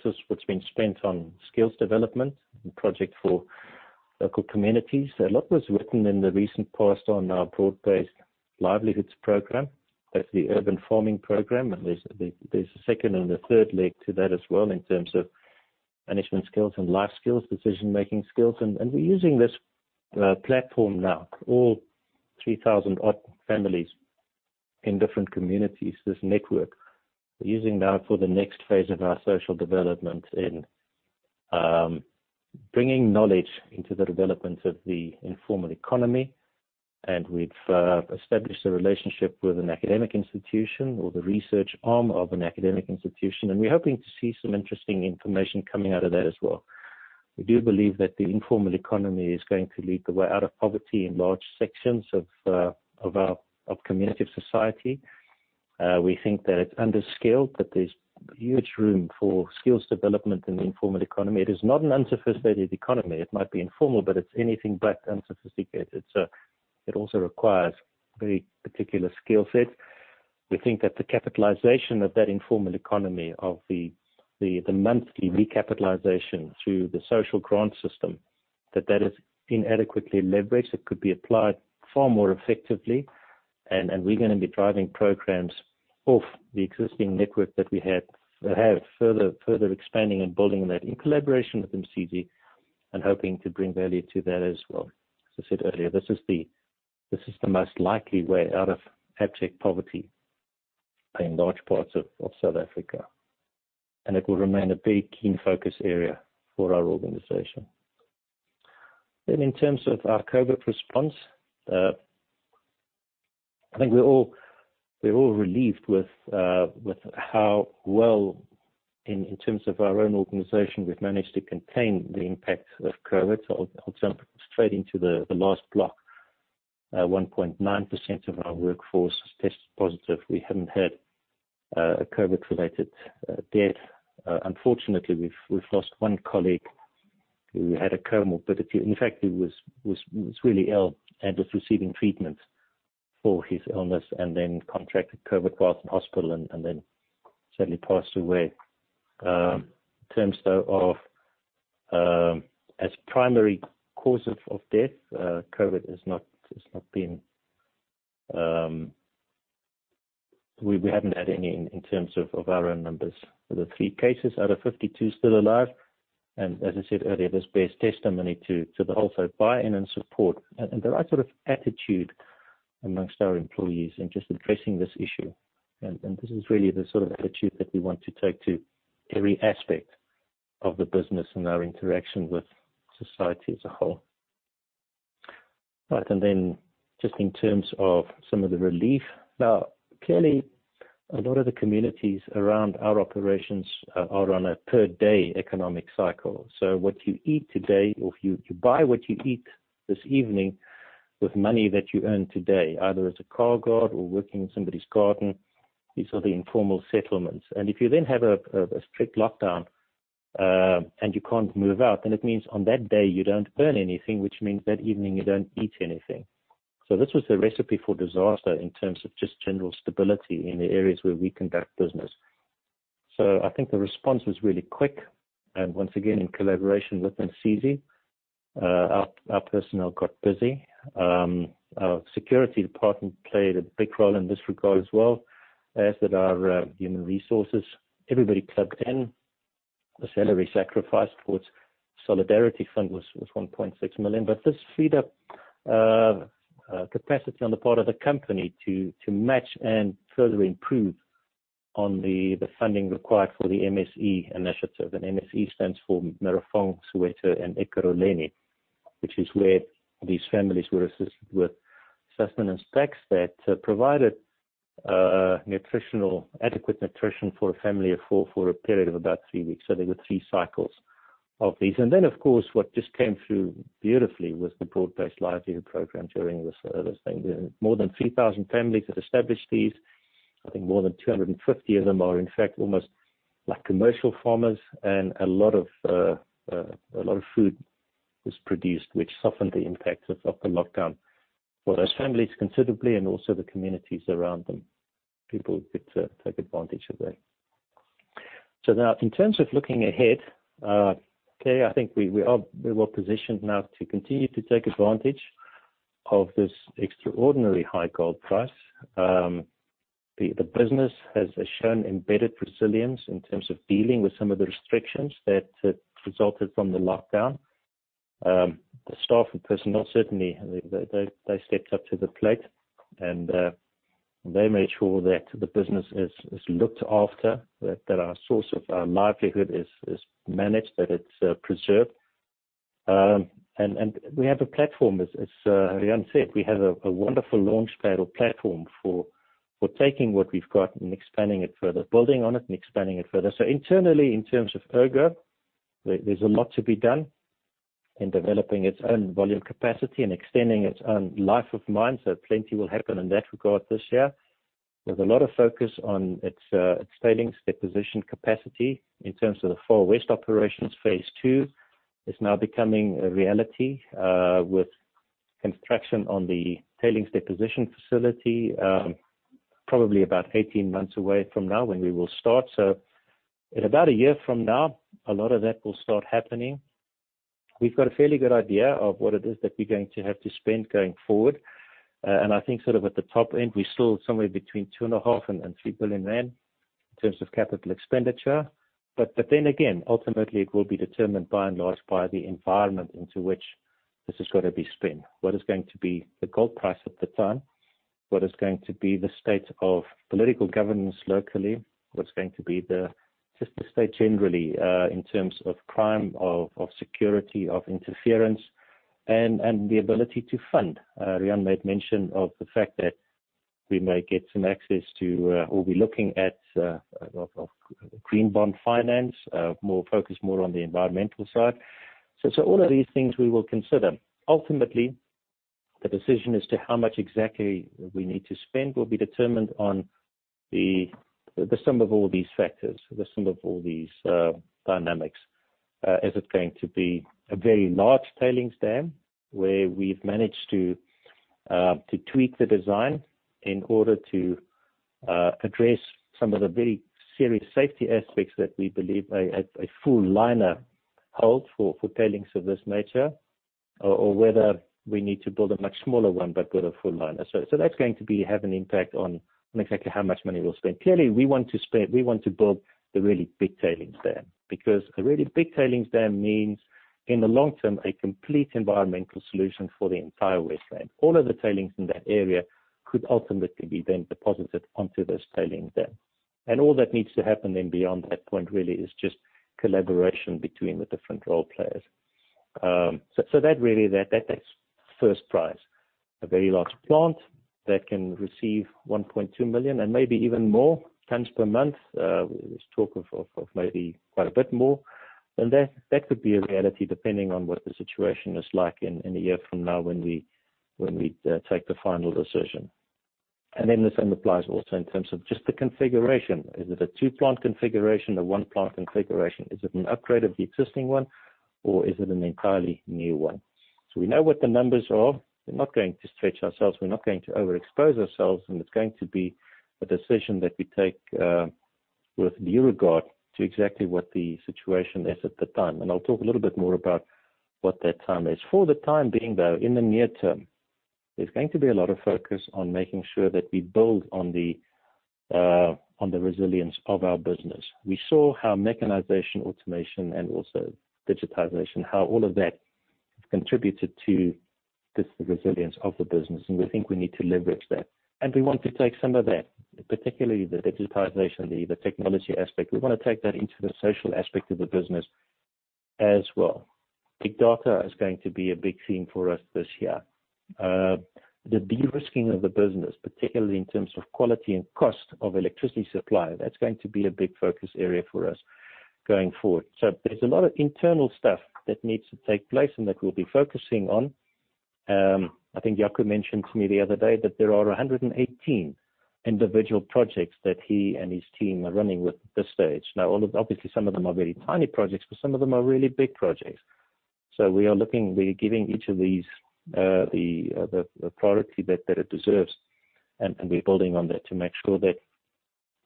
this is what's been spent on skills development and project for local communities. A lot was written in the recent past on our Broad-Based Livelihoods program. That's the urban farming program, and there's a second and a third leg to that as well in terms of management skills and life skills, decision-making skills. We're using this platform now, all 3,000 odd families in different communities, this network, we're using now for the next phase of our social development in bringing knowledge into the development of the informal economy. We've established a relationship with an academic institution or the research arm of an academic institution, and we're hoping to see some interesting information coming out of that as well. We do believe that the informal economy is going to lead the way out of poverty in large sections of community of society. We think that it's under-skilled, that there's huge room for skills development in the informal economy. It is not an unsophisticated economy. It might be informal, but it's anything but unsophisticated. It also requires very particular skill set. We think that the capitalization of that informal economy of the monthly recapitalization through the social grant system, that that is inadequately leveraged. It could be applied far more effectively. We're going to be driving programs off the existing network that we have, further expanding and building that in collaboration with MCG and hoping to bring value to that as well. As I said earlier, this is the most likely way out of abject poverty in large parts of South Africa, and it will remain a very keen focus area for our organization. In terms of our COVID response, I think we're all relieved with how well in terms of our own organization, we've managed to contain the impact of COVID. I'll jump straight into the last block. 1.9% of our workforce has tested positive. We haven't had a COVID-related death. Unfortunately, we've lost one colleague who had a comorbidity. In fact, he was really ill and was receiving treatment for his illness and then contracted COVID whilst in hospital and then sadly passed away. In terms, though, of as primary causes of death, COVID. We haven't had any in terms of our own numbers. The three cases out of 52 still alive, and as I said earlier, this bears testimony to the whole sort of buy-in and support and the right sort of attitude amongst our employees in just addressing this issue. This is really the sort of attitude that we want to take to every aspect of the business and our interaction with society as a whole. Right. Then just in terms of some of the relief. Clearly, a lot of the communities around our operations are on a per day economic cycle. What you eat today, or if you buy what you eat this evening with money that you earn today, either as a car guard or working in somebody's garden, these are the informal settlements. If you then have a strict lockdown and you can't move out, then it means on that day you don't earn anything, which means that evening you don't eat anything. This was a recipe for disaster in terms of just general stability in the areas where we conduct business. I think the response was really quick, and once again, in collaboration with MCG, our personnel got busy. Our security department played a big role in this regard as well as did our human resources. Everybody plugged in. The salary sacrifice towards Solidarity Fund was 1.6 million. This freed up capacity on the part of the company to match and further improve on the funding required for the MSE initiative. MSE stands for Merafong, Soweto, and Ekurhuleni, which is where these families were assisted with sustenance packs that provided adequate nutrition for a family of four for a period of about three weeks. There were three cycles of these. Of course, what just came through beautifully was the Broad-Based Livelihoods program during this thing. More than 3,000 families have established these. I think more than 250 of them are, in fact, almost like commercial farmers. A lot of food was produced, which softened the impact of the lockdown for those families considerably and also the communities around them. People could take advantage of that. Now, in terms of looking ahead, clearly, I think we are well-positioned now to continue to take advantage of this extraordinarily high gold price. The business has shown embedded resilience in terms of dealing with some of the restrictions that resulted from the lockdown. The staff and personnel certainly, they stepped up to the plate, and they made sure that the business is looked after, that our source of livelihood is managed, that it's preserved. We have a platform, as Riaan said, we have a wonderful launchpad or platform for taking what we've got and expanding it further, building on it and expanding it further. Internally, in terms of Ergo, there's a lot to be done in developing its own volume capacity and extending its own life of mine, plenty will happen in that regard this year. There's a lot of focus on its tailings deposition capacity in terms of the Far West operations. Phase II is now becoming a reality, with construction on the tailings deposition facility probably about 18 months away from now when we will start. In about one year from now, a lot of that will start happening. We've got a fairly good idea of what it is that we're going to have to spend going forward. I think sort of at the top end, we're still somewhere between 2.5 billion and 3 billion rand in terms of capital expenditure. Again, ultimately, it will be determined by and large by the environment into which this has got to be spent. What is going to be the gold price at the time? What is going to be the state of political governance locally? What's going to be the state generally, in terms of crime, of security, of interference and the ability to fund? Riaan made mention of the fact that we may get some access to or be looking at green bond finance, focused more on the environmental side. All of these things we will consider. Ultimately, the decision as to how much exactly we need to spend will be determined on the sum of all these factors, the sum of all these dynamics. Is it going to be a very large tailings dam, where we've managed to tweak the design in order to address some of the very serious safety aspects that we believe a full liner hold for tailings of this nature? Whether we need to build a much smaller one but with a full liner. That's going to have an impact on exactly how much money we'll spend. Clearly, we want to build the really big tailings dam, because a really big tailings dam means, in the long term, a complete environmental solution for the entire waste land. All of the tailings in that area could ultimately be then deposited onto this tailings dam. All that needs to happen then beyond that point really is just collaboration between the different role players. That's first prize. A very large plant that can receive 1.2 million and maybe even more tons per month. There's talk of maybe quite a bit more. That could be a reality depending on what the situation is like in a year from now when we take the final decision. The same applies also in terms of just the configuration. Is it a two-plant configuration, a one-plant configuration? Is it an upgrade of the existing one or is it an entirely new one? We know what the numbers are. We're not going to stretch ourselves, we're not going to overexpose ourselves, and it's going to be a decision that we take with due regard to exactly what the situation is at the time. I'll talk a little bit more about what that time is. For the time being, though, in the near term, there's going to be a lot of focus on making sure that we build on the resilience of our business. We saw how mechanization, automation, and also digitization, how all of that contributed to just the resilience of the business, and we think we need to leverage that. We want to take some of that, particularly the digitization, the technology aspect, we want to take that into the social aspect of the business as well. Big data is going to be a big theme for us this year. The de-risking of the business, particularly in terms of quality and cost of electricity supply, that's going to be a big focus area for us going forward. There's a lot of internal stuff that needs to take place and that we'll be focusing on. I think Jaco mentioned to me the other day that there are 118 individual projects that he and his team are running with at this stage. Obviously, some of them are very tiny projects, but some of them are really big projects. We are looking, we're giving each of these the priority that it deserves, and we're building on that to make sure that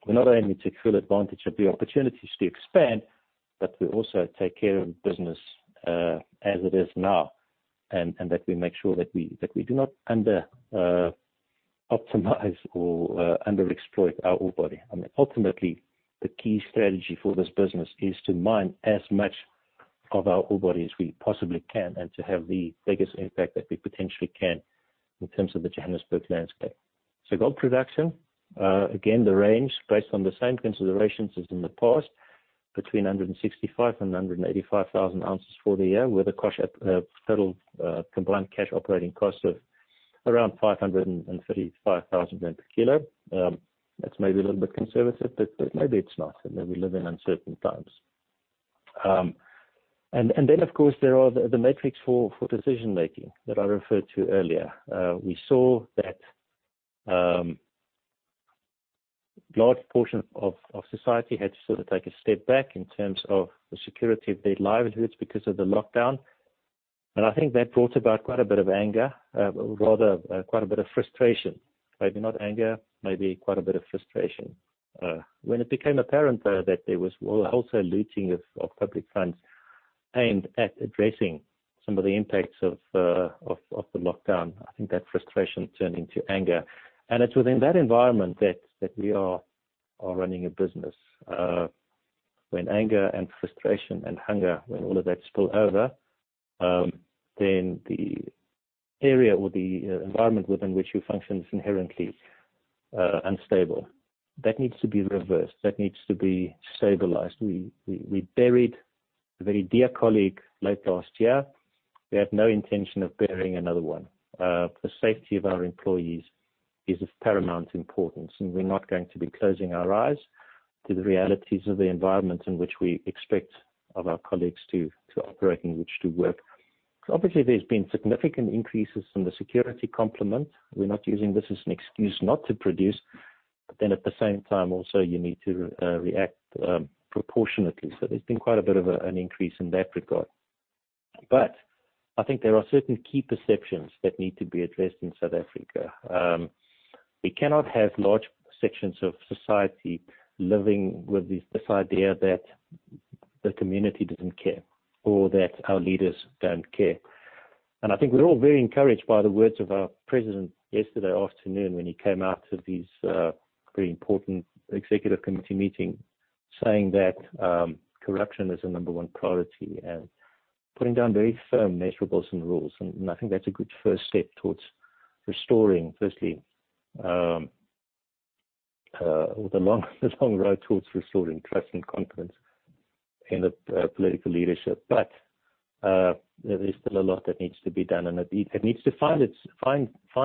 we're not only taking full advantage of the opportunities to expand, but we also take care of business as it is now, and that we make sure that we do not underoptimize or underexploit our ore body. I mean ultimately, the key strategy for this business is to mine as much of our ore body as we possibly can, and to have the biggest impact that we potentially can in terms of the Johannesburg landscape. Gold production, again, the range based on the same considerations as in the past, between 165,000 and 185,000 ounces for the year, with a total combined cash operating cost of around 535,000 rand per kilo. That's maybe a little bit conservative, but maybe it's not, and that we live in uncertain times. Then, of course, there are the metrics for decision-making that I referred to earlier. We saw that large portion of society had to sort of take a step back in terms of the security of their livelihoods because of the lockdown, and I think that brought about quite a bit of anger. Rather, quite a bit of frustration. Maybe not anger, maybe quite a bit of frustration. When it became apparent, though, that there was also looting of public funds aimed at addressing some of the impacts of the lockdown, I think that frustration turned into anger. It's within that environment that we are running a business. When anger and frustration and hunger, when all of that spill over, the area or the environment within which you function is inherently unstable. That needs to be reversed. That needs to be stabilized. We buried a very dear colleague late last year. We have no intention of burying another one. The safety of our employees is of paramount importance, and we're not going to be closing our eyes to the realities of the environment in which we expect of our colleagues to operate and in which to work. Obviously, there's been significant increases in the security complement. We're not using this as an excuse not to produce. At the same time, also, you need to react proportionately. There's been quite a bit of an increase in that regard. I think there are certain key perceptions that need to be addressed in South Africa. We cannot have large sections of society living with this idea that the community doesn't care or that our leaders don't care. I think we're all very encouraged by the words of our president yesterday afternoon when he came out of this very important executive committee meeting saying that corruption is the number one priority and putting down very firm measurables and rules, and I think that's a good first step towards restoring, firstly, the long road towards restoring trust and confidence in the political leadership. There is still a lot that needs to be done, and it needs to find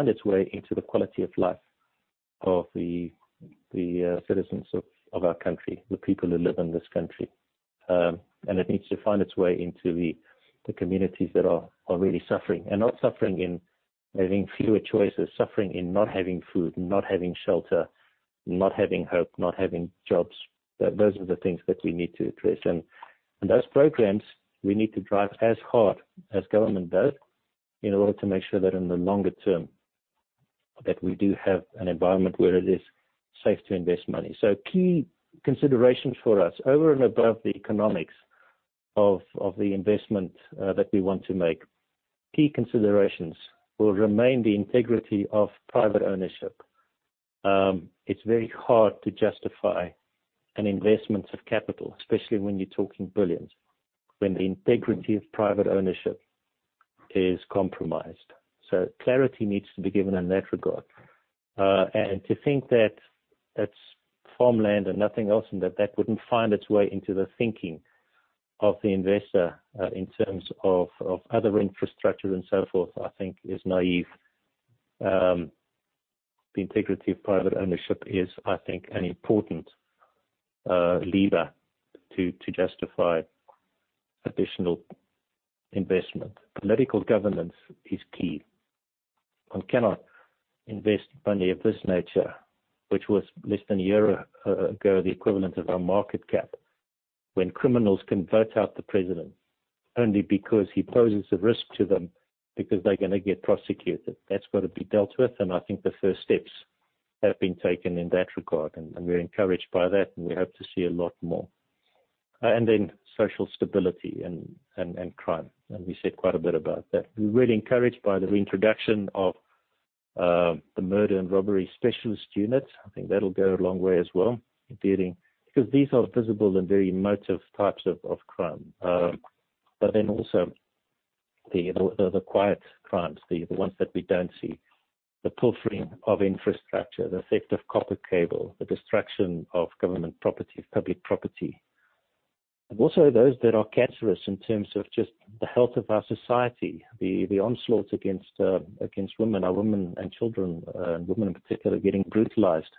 its way into the quality of life of the citizens of our country, the people who live in this country. It needs to find its way into the communities that are really suffering. Not suffering in having fewer choices, suffering in not having food, not having shelter, not having hope, not having jobs. Those are the things that we need to address. Those programs we need to drive as hard as government does in order to make sure that in the longer term, that we do have an environment where it is safe to invest money. Key considerations for us over and above the economics of the investment that we want to make. Key considerations will remain the integrity of private ownership. It's very hard to justify an investment of capital, especially when you're talking billions, when the integrity of private ownership is compromised. Clarity needs to be given in that regard. To think that that's farmland and nothing else, and that that wouldn't find its way into the thinking of the investor, in terms of other infrastructure and so forth, I think is naive. The integrity of private ownership is, I think, an important lever to justify additional investment. Political governance is key. One cannot invest money of this nature, which was less than a year ago, the equivalent of our market cap, when criminals can vote out the president only because he poses a risk to them because they're gonna get prosecuted. That's got to be dealt with, and I think the first steps have been taken in that regard, and we're encouraged by that, and we hope to see a lot more. Then social stability and crime. We said quite a bit about that. We're really encouraged by the reintroduction of the Murder and Robbery Unit. I think that'll go a long way as well in dealing because these are visible and very emotive types of crime. Also the quiet crimes, the ones that we don't see, the pilfering of infrastructure, the theft of copper cable, the destruction of government property, public property. Also those that are cancerous in terms of just the health of our society. The onslaught against women. Our women and children, women in particular, getting brutalized,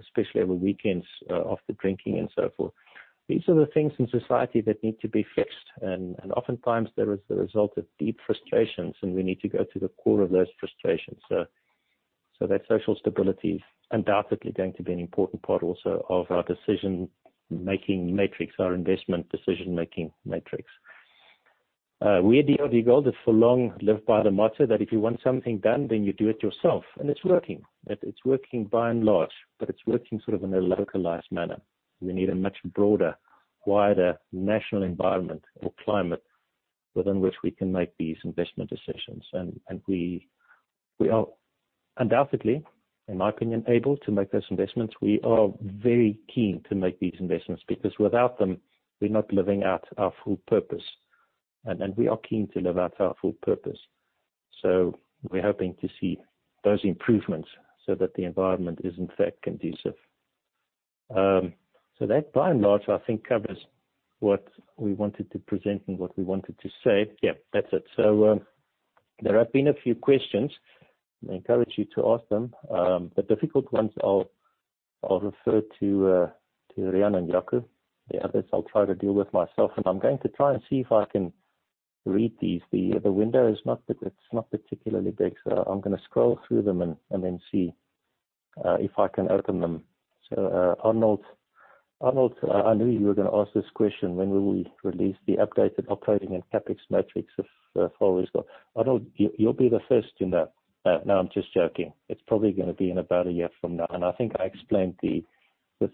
especially over weekends after drinking and so forth. These are the things in society that need to be fixed, oftentimes they're as a result of deep frustrations, we need to go to the core of those frustrations. That social stability is undoubtedly going to be an important part also of our decision-making matrix, our investment decision-making matrix. We at DRDGOLD have for long lived by the motto that if you want something done, then you do it yourself. It's working. It's working by and large, but it's working sort of in a localized manner. We need a much broader, wider national environment or climate within which we can make these investment decisions. We are undoubtedly, in my opinion, able to make those investments. We are very keen to make these investments because without them, we're not living out our full purpose. We are keen to live out our full purpose. We're hoping to see those improvements so that the environment is in fact conducive. That, by and large, I think covers what we wanted to present and what we wanted to say. Yeah, that's it. There have been a few questions. I encourage you to ask them. The difficult ones I'll refer to Riaan and Jaco. The others I'll try to deal with myself. I'm going to try and see if I can read these. The window it's not particularly big, I'm going to scroll through them see if I can open them. Arnold, I knew you were going to ask this question. When will we release the updated operating and CapEx metrics of Far West Gold? Arnold, you'll be the first to know. No, I'm just joking. It's probably going to be in about a year from now. I think I explained the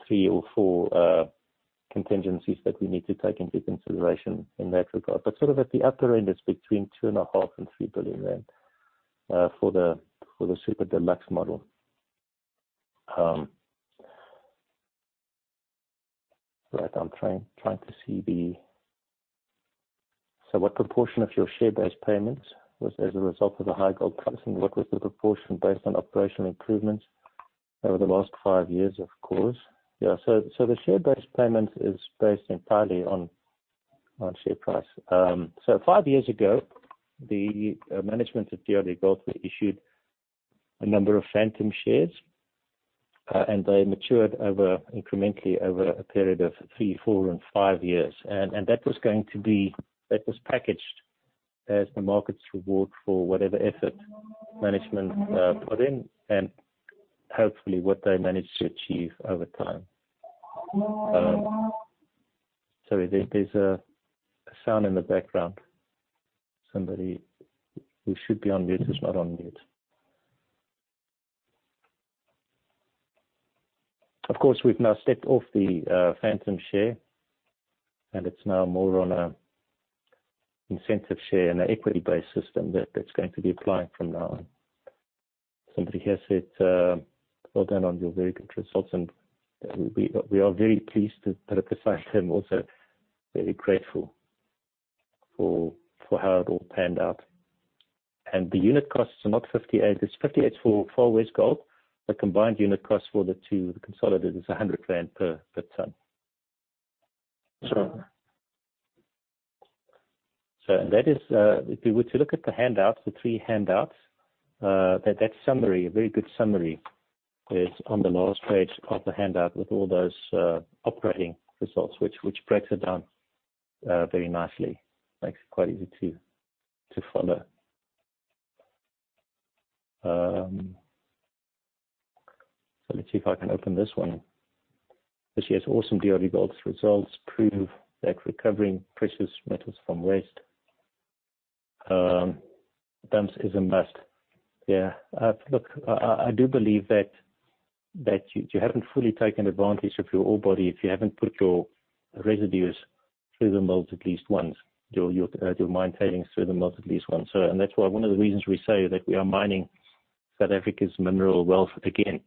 three or four contingencies that we need to take into consideration in that regard. Sort of at the upper end, it's between two and a half and 3 billion rand for the super deluxe model. Right, I'm trying to see what proportion of your share-based payments was as a result of the high gold pricing? What was the proportion based on operational improvements over the last five years? Of course. Yeah. The share-based payment is based entirely on share price. Five years ago, the management of DRDGOLD issued a number of phantom shares, and they matured incrementally over a period of three, four, and five years. That was packaged as the market's reward for whatever effort management put in and hopefully what they managed to achieve over time. Sorry, there's a sound in the background. Somebody who should be on mute is not on mute. Of course, we've now stepped off the phantom share, and it's now more on an incentive share and an equity-based system that's going to be applied from now on. Somebody here said, "Well done on your very good results." We are very pleased to emphasize and also very grateful for how it all panned out. The unit costs are not 58. It's 58 for Far West Gold. The combined unit cost for the two, the consolidated, is 100 rand per ton. If you were to look at the three handouts, that summary, a very good summary, is on the last page of the handout with all those operating results, which breaks it down very nicely. Makes it quite easy to follow. Let me see if I can open this one. This year's awesome DRDGOLD results prove that recovering precious metals from waste dumps is a must. Yeah. Look, I do believe that you haven't fully taken advantage of your ore body if you haven't put your residues through the mills at least once. Your mine tailings through the mills at least once. That's one of the reasons we say that we are mining South Africa's mineral wealth again,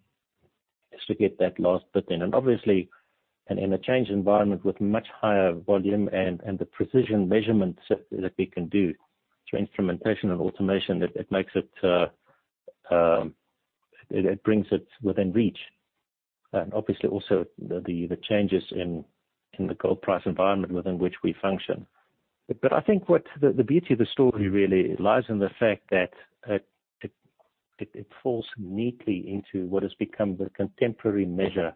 is to get that last bit in. Obviously, and in a changed environment with much higher volume and the precision measurements that we can do through instrumentation and automation, it brings it within reach. Obviously also the changes in the gold price environment within which we function. I think the beauty of the story really lies in the fact that it falls neatly into what has become the contemporary measure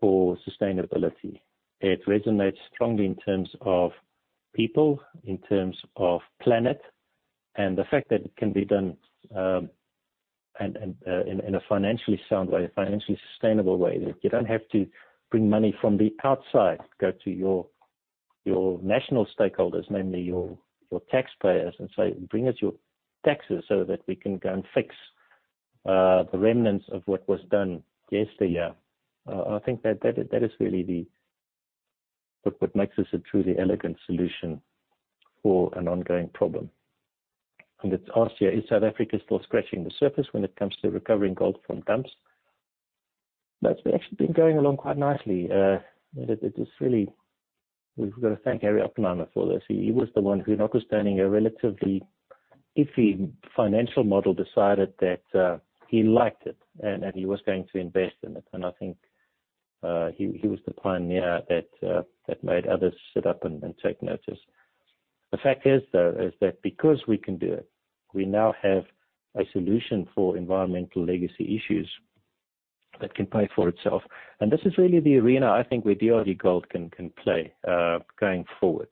for sustainability. It resonates strongly in terms of people, in terms of planet, the fact that it can be done in a financially sound way, financially sustainable way, that you don't have to bring money from the outside, go to your national stakeholders, namely your taxpayers, and say, "Bring us your taxes so that we can go and fix the remnants of what was done yesteryear." I think that is really what makes this a truly elegant solution for an ongoing problem. It's asked here, is South Africa still scratching the surface when it comes to recovering gold from dumps? No, it's actually been going along quite nicely. We've got to thank Harry Oppenheimer for this. He was the one who, notwithstanding a relatively iffy financial model, decided that he liked it and that he was going to invest in it. I think he was the pioneer that made others sit up and take notice. The fact is, though, is that because we can do it, we now have a solution for environmental legacy issues that can pay for itself. This is really the arena I think where DRDGOLD can play going forward.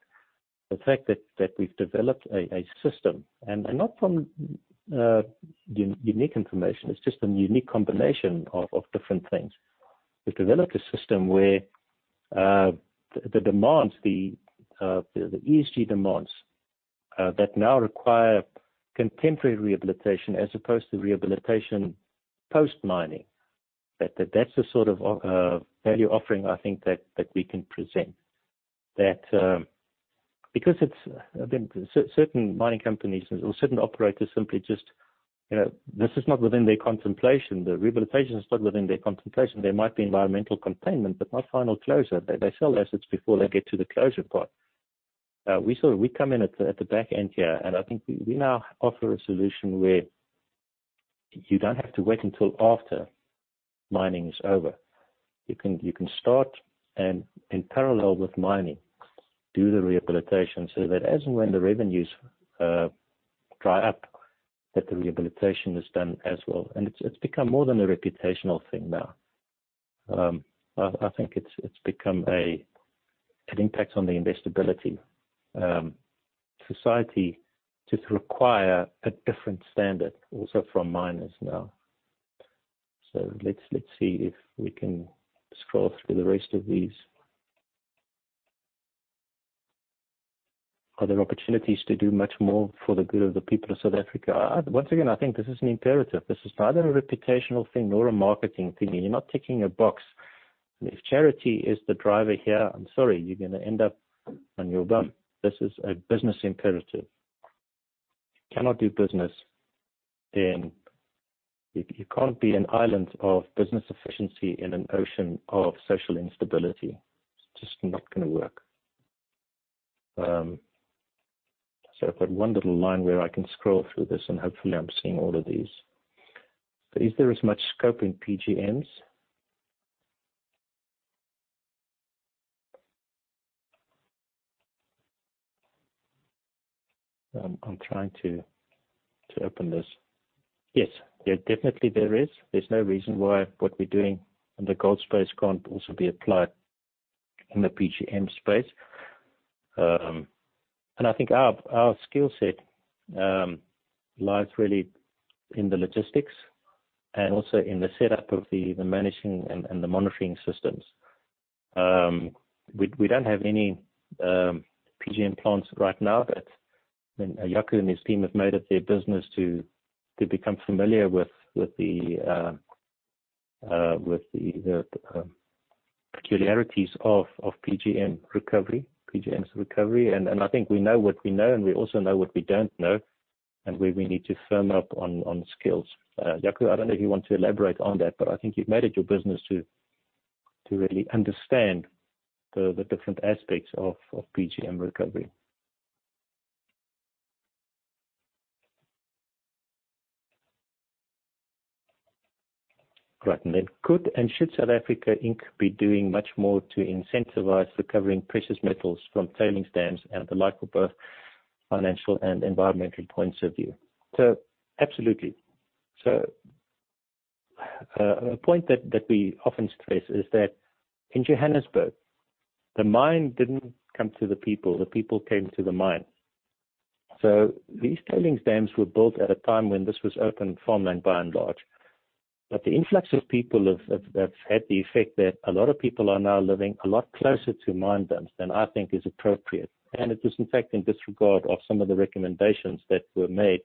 The fact that we've developed a system, and not from unique information, it's just a unique combination of different things. We've developed a system where the ESG demands that now require contemporary rehabilitation as opposed to rehabilitation post-mining. That's the sort of value offering I think that we can present. Certain mining companies or certain operators, this is not within their contemplation. The rehabilitation is not within their contemplation. There might be environmental containment, but not final closure. They sell assets before they get to the closure part. We come in at the back end here, I think we now offer a solution where you don't have to wait until after mining is over. You can start and in parallel with mining, do the rehabilitation so that as and when the revenues dry up, that the rehabilitation is done as well. It's become more than a reputational thing now. I think it's become an impact on the investability. Society just require a different standard also from miners now. Let's see if we can scroll through the rest of these. Are there opportunities to do much more for the good of the people of South Africa? Once again, I think this is an imperative. This is neither a reputational thing nor a marketing thing, and you're not ticking a box. If charity is the driver here, I'm sorry, you're going to end up on your bum. This is a business imperative. You cannot do business. You can't be an island of business efficiency in an ocean of social instability. It's just not going to work. I've got one little line where I can scroll through this, and hopefully I'm seeing all of these. Is there as much scope in PGMs? I'm trying to open this. Yes. Definitely there is. There's no reason why what we're doing in the gold space can't also be applied in the PGM space. I think our skill set lies really in the logistics and also in the setup of the managing and the monitoring systems. We don't have any PGM plants right now, but Jaco and his team have made it their business to become familiar with the peculiarities of PGMs recovery. I think we know what we know, and we also know what we don't know and where we need to firm up on skills. Jaco, I don't know if you want to elaborate on that, but I think you've made it your business to really understand the different aspects of PGM recovery. Great. Could and should South Africa Inc. be doing much more to incentivize recovering precious metals from tailings dams and the like, for both financial and environmental points of view? Absolutely. A point that we often stress is that in Johannesburg, the mine didn't come to the people, the people came to the mine. These tailings dams were built at a time when this was open farmland by and large. The influx of people have had the effect that a lot of people are now living a lot closer to mine dumps than I think is appropriate. It is, in fact, in disregard of some of the recommendations that were made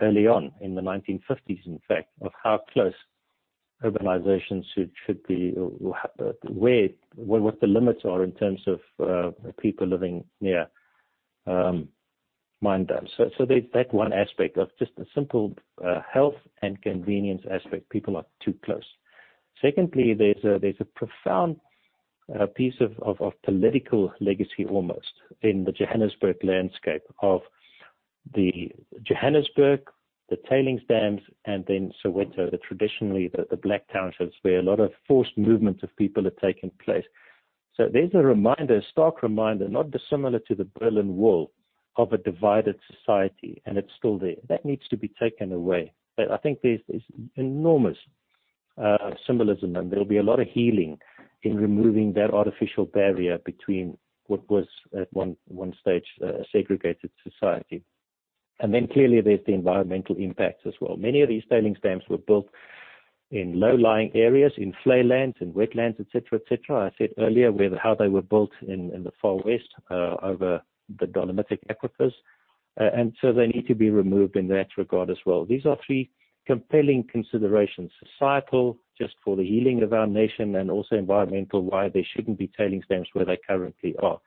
early on in the 1950s, in fact, of how close urbanizations should be, or what the limits are in terms of people living near mine dumps. There's that one aspect of just the simple health and convenience aspect. People are too close. Secondly, there's a profound piece of political legacy, almost, in the Johannesburg landscape, the tailings dams, and then Soweto, traditionally the black townships where a lot of forced movements of people have taken place. There's a reminder, a stark reminder, not dissimilar to the Berlin Wall of a divided society, and it's still there. That needs to be taken away. I think there's enormous symbolism, and there'll be a lot of healing in removing that artificial barrier between what was, at one stage, a segregated society. Clearly, there's the environmental impacts as well. Many of these tailings dams were built in low-lying areas, in flare lands and wetlands, et cetera. I said earlier how they were built in the Far West over the dolomitic aquifers. They need to be removed in that regard as well. These are three compelling considerations. Societal, just for the healing of our nation, and also environmental, why there shouldn't be tailings dams where they currently are.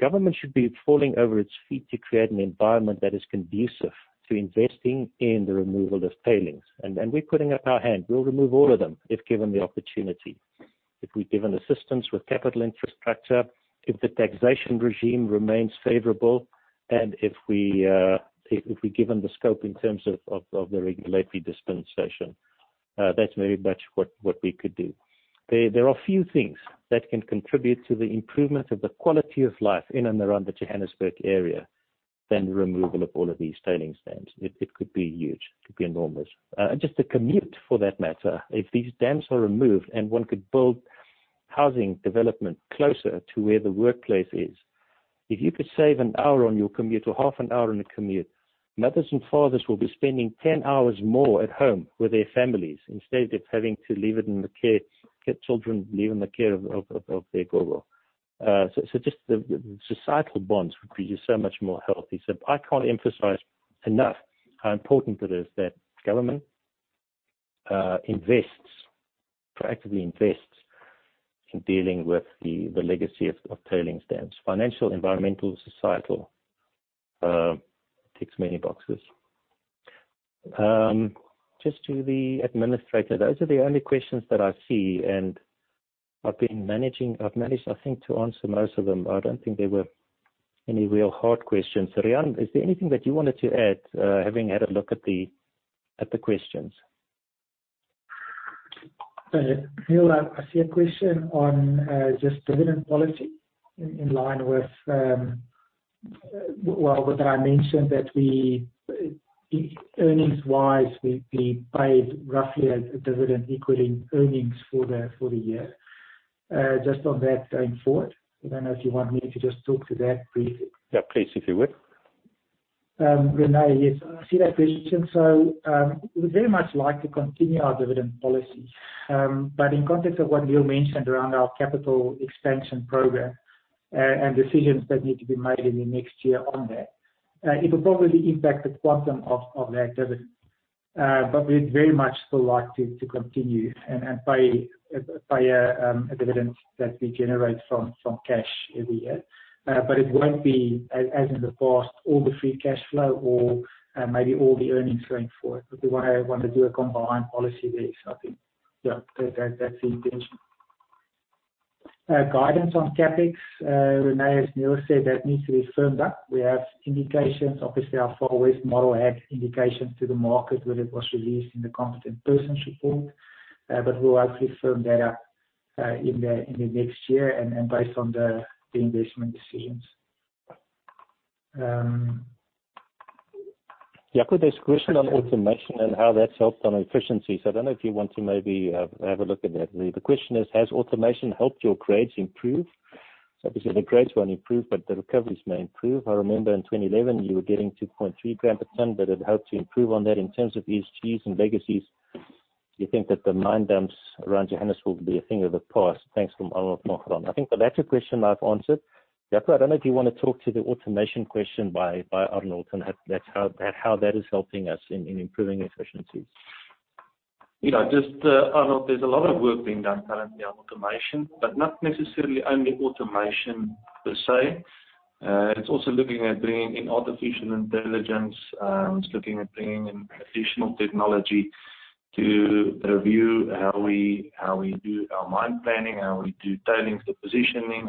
Government should be falling over its feet to create an environment that is conducive to investing in the removal of tailings. We're putting up our hand. We'll remove all of them if given the opportunity. If we're given assistance with capital infrastructure, if the taxation regime remains favorable, and if we're given the scope in terms of the regulatory dispensation. That's very much what we could do. There are few things that can contribute to the improvement of the quality of life in and around the Johannesburg area than removal of all of these tailings dams. It could be huge. It could be enormous. Just the commute, for that matter. If these dams are removed and one could build housing development closer to where the workplace is. If you could save an hour on your commute or half an hour on a commute, mothers and fathers will be spending 10 hours more at home with their families instead of having to leave it in the care of their gogo. Just the societal bonds would be just so much more healthy. I can't emphasize enough how important it is that government actively invests in dealing with the legacy of tailing dams. Financial, environmental, societal. Ticks many boxes. Just to the administrator, those are the only questions that I see, and I've managed, I think, to answer most of them. I don't think there were any real hard questions. Riaan, is there anything that you wanted to add, having had a look at the questions? Niël, I see a question on just dividend policy. In line with that, I mentioned that earnings-wise, we paid roughly a dividend equaling earnings for the year. Just on that going forward, I don't know if you want me to just talk to that briefly. Yeah, please. If you would. Rene, yes, I see that question. We'd very much like to continue our dividend policy. In context of what Niël mentioned around our capital expansion program and decisions that need to be made in the next year on that, it will probably impact the quantum of that dividend. We'd very much still like to continue and pay a dividend that we generate from cash every year. It won't be, as in the past, all the free cash flow or maybe all the earnings going forward. We want to do a combined policy there. I think that's the intention. Guidance on CapEx, Rene, as Niël said, that needs to be firmed up. We have indications, obviously, our Far West model had indications to the market when it was released in the Competent Person's Report. We'll actually firm that up in the next year and based on the investment decisions. Jaco, there's a question on automation and how that's helped on efficiency. I don't know if you want to maybe have a look at that. The question is, "Has automation helped your grades improve?" obviously the grades won't improve, but the recoveries may improve. I remember in 2011, you were getting 2.3 gm per ton, but it helped to improve on that in terms of ESG and legacies. Do you think that the mine dumps around Johannesburg will be a thing of the past? Thanks. From Arnold Mokgoro. I think that that's a question I've answered. Jaco, I don't know if you want to talk to the automation question by Arnold and how that is helping us in improving efficiencies. Arnold, there's a lot of work being done currently on automation, but not necessarily only automation per se. It's also looking at bringing in artificial intelligence. It's looking at bringing in additional technology to review how we do our mine planning, how we do tailings depositioning.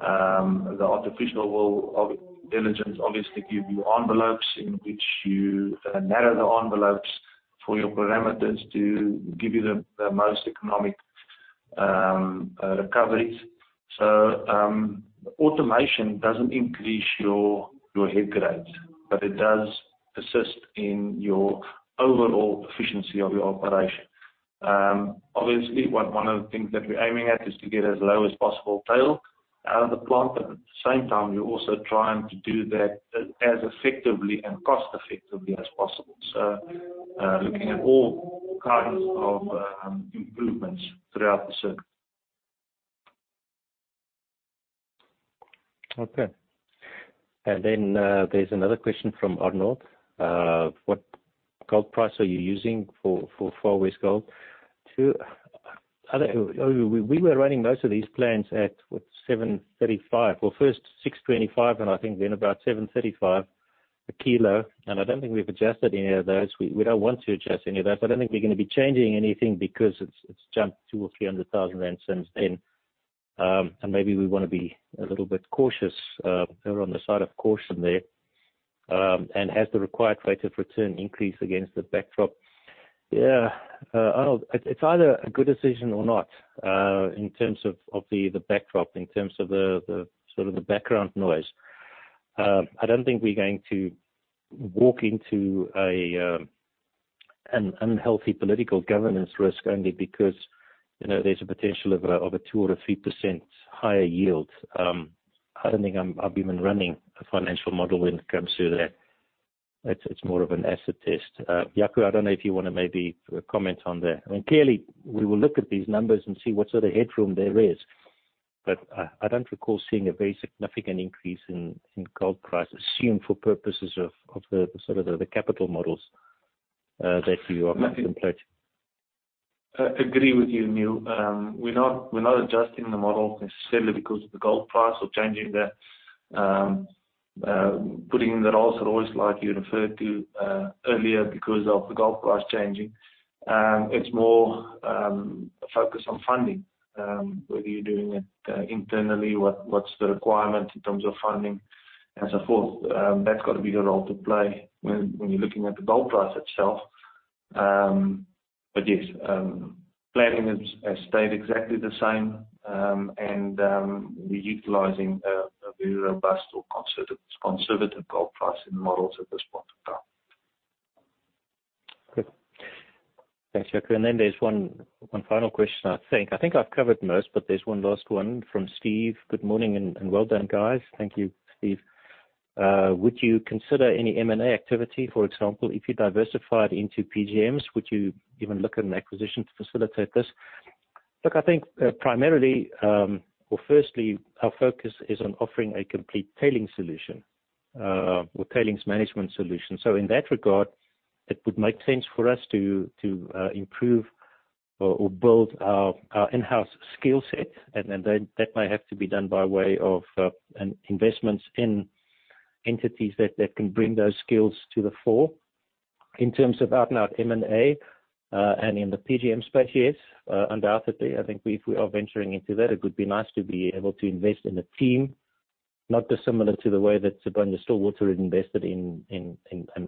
The artificial intelligence obviously give you envelopes in which you narrow the envelopes for your parameters to give you the most economic recoveries. Automation doesn't increase your head grade, but it does assist in your overall efficiency of your operation. Obviously, one of the things that we're aiming at is to get as low as possible tail out of the plant, but at the same time, we're also trying to do that as effectively and cost effectively as possible. Looking at all kinds of improvements throughout the circuit. Okay. There's another question from Arnold. What gold price are you using for Far West Gold? We were running most of these plants at, what, 735. Well, first 625. I think then about 735 a kilo. I don't think we've adjusted any of those. We don't want to adjust any of those. I don't think we're going to be changing anything because it's jumped ZAR two or 300,000 rand since then. Maybe we want to be a little bit cautious, err on the side of caution there. Has the required rate of return increased against the backdrop? Yeah, Arnold, it's either a good decision or not, in terms of the backdrop, in terms of the sort of the background noise. I don't think we're going to walk into an unhealthy political governance risk only because there's a potential of a 2% or 3% higher yield. I don't think I'll be even running a financial model when it comes to that. It's more of an acid test. Jaco, I don't know if you want to maybe comment on that. I mean, clearly, we will look at these numbers and see what sort of headroom there is. I don't recall seeing a very significant increase in gold price assumed for purposes of the sort of the capital models that you are contemplating. I agree with you, Niël. We're not adjusting the model necessarily because of the gold price or changing the rules like you referred to earlier because of the gold price changing. It's more focused on funding, whether you're doing it internally, what's the requirement in terms of funding and so forth. That's got a bigger role to play when you're looking at the gold price itself. Yes, planning has stayed exactly the same, and we're utilizing a very robust or conservative gold price in models at this point in time. Good. Thanks, Jaco. There's one final question, I think. I think I've covered most, but there's one last one from Steve. "Good morning, and well done, guys." Thank you, Steve. Would you consider any M&A activity, for example, if you diversified into PGMs? Would you even look at an acquisition to facilitate this? Look, I think primarily or firstly, our focus is on offering a complete tailings solution or tailings management solution. In that regard, it would make sense for us to improve or build our in-house skill set, and then that may have to be done by way of investments in entities that can bring those skills to the fore. In terms of out and out M&A and in the PGM space, yes, undoubtedly, I think if we are venturing into that, it would be nice to be able to invest in a team not dissimilar to the way that Sibanye-Stillwater has invested in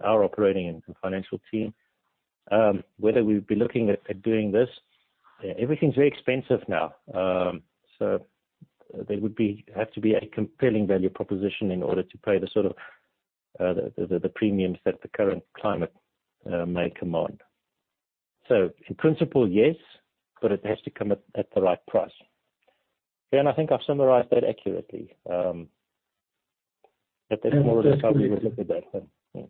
our operating and financial team. Whether we'd be looking at doing this, everything's very expensive now. There would have to be a compelling value proposition in order to pay the sort of premiums that the current climate may command. In principle, yes, but it has to come at the right price. I think I've summarized that accurately. That is more or less how we would look at that, yeah.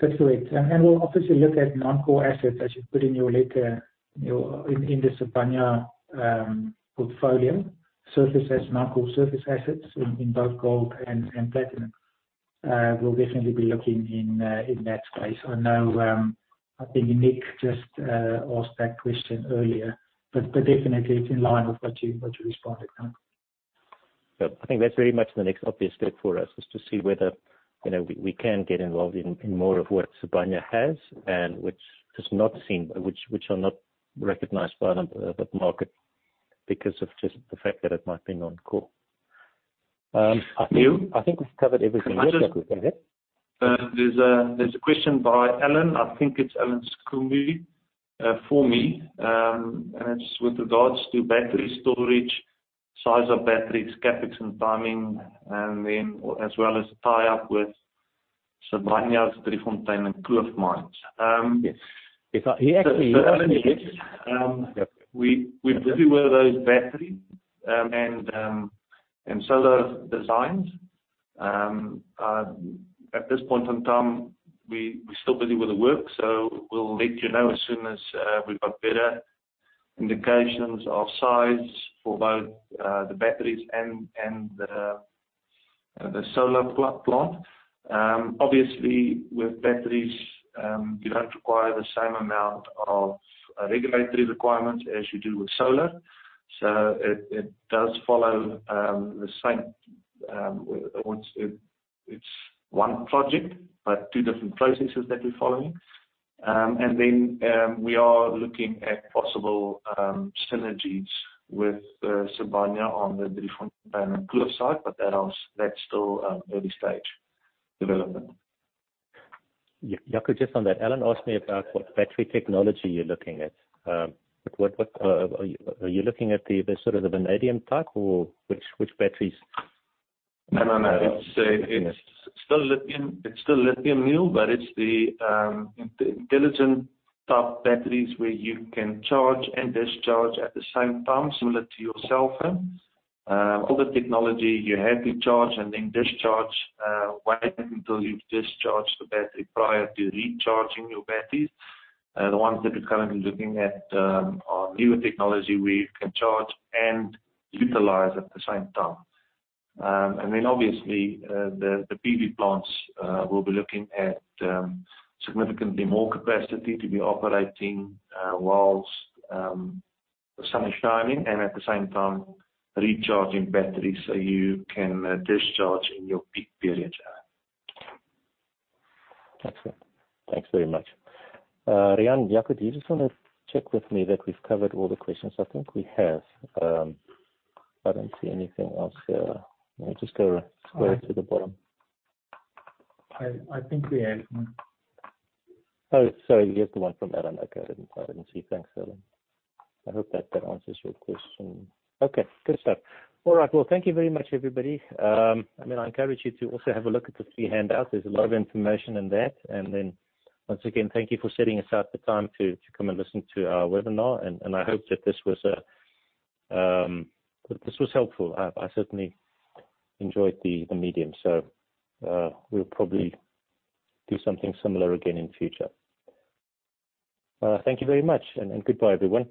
That's great. We'll obviously look at non-core assets as you put in your letter in the Sibanye portfolio, surface assets, non-core surface assets in both gold and platinum. We'll definitely be looking in that space. I know, I think Nick just asked that question earlier, but definitely it's in line with what you responded now. I think that's very much the next obvious step for us, is to see whether we can get involved in more of what Sibanye has and which are not recognized by the market because of just the fact that it might be non-core. I think we've covered everything. There's a question by Alan, I think it's Alan Scumbi, for me, and it's with regards to battery storage, size of batteries, CapEx and timing, and then as well as a tie-up with Sibanye's Driefontein and Kloof mines. Yes. In any case, we're busy with those battery and solar designs. At this point in time, we're still busy with the work, we'll let you know as soon as we've got better indications of size for both the batteries and the solar plant. Obviously, with batteries, you don't require the same amount of regulatory requirements as you do with solar. It does follow. It's one project, but two different processes that we're following. We are looking at possible synergies with Sibanye on the Driefontein and Kloof site, but that's still early stage development. Jaco, just on that, Alan asked me about what battery technology you're looking at. Are you looking at the sort of the vanadium type or which batteries? It's still lithium, Niël, but it's the intelligent type batteries where you can charge and discharge at the same time, similar to your cell phone. Older technology, you had to charge and then discharge, wait until you've discharged the battery prior to recharging your batteries. The ones that we're currently looking at are newer technology where you can charge and utilize at the same time. Obviously, the PV plants will be looking at significantly more capacity to be operating while the sun is shining and at the same time recharging batteries so you can discharge in your peak periods. Excellent. Thanks very much. Riaan, Jaco, do you just want to check with me that we've covered all the questions? I think we have. I don't see anything else here. Let me just go straight to the bottom. I think we have. Oh, sorry. Here's the one from Alan. Okay, I didn't see. Thanks, Alan. I hope that answers your question. Okay, good stuff. All right, well, thank you very much, everybody. I encourage you to also have a look at the three handouts. There's a lot of information in that. Once again, thank you for setting aside the time to come and listen to our webinar, and I hope that this was helpful. I certainly enjoyed the medium. We'll probably do something similar again in future. Thank you very much, and goodbye, everyone.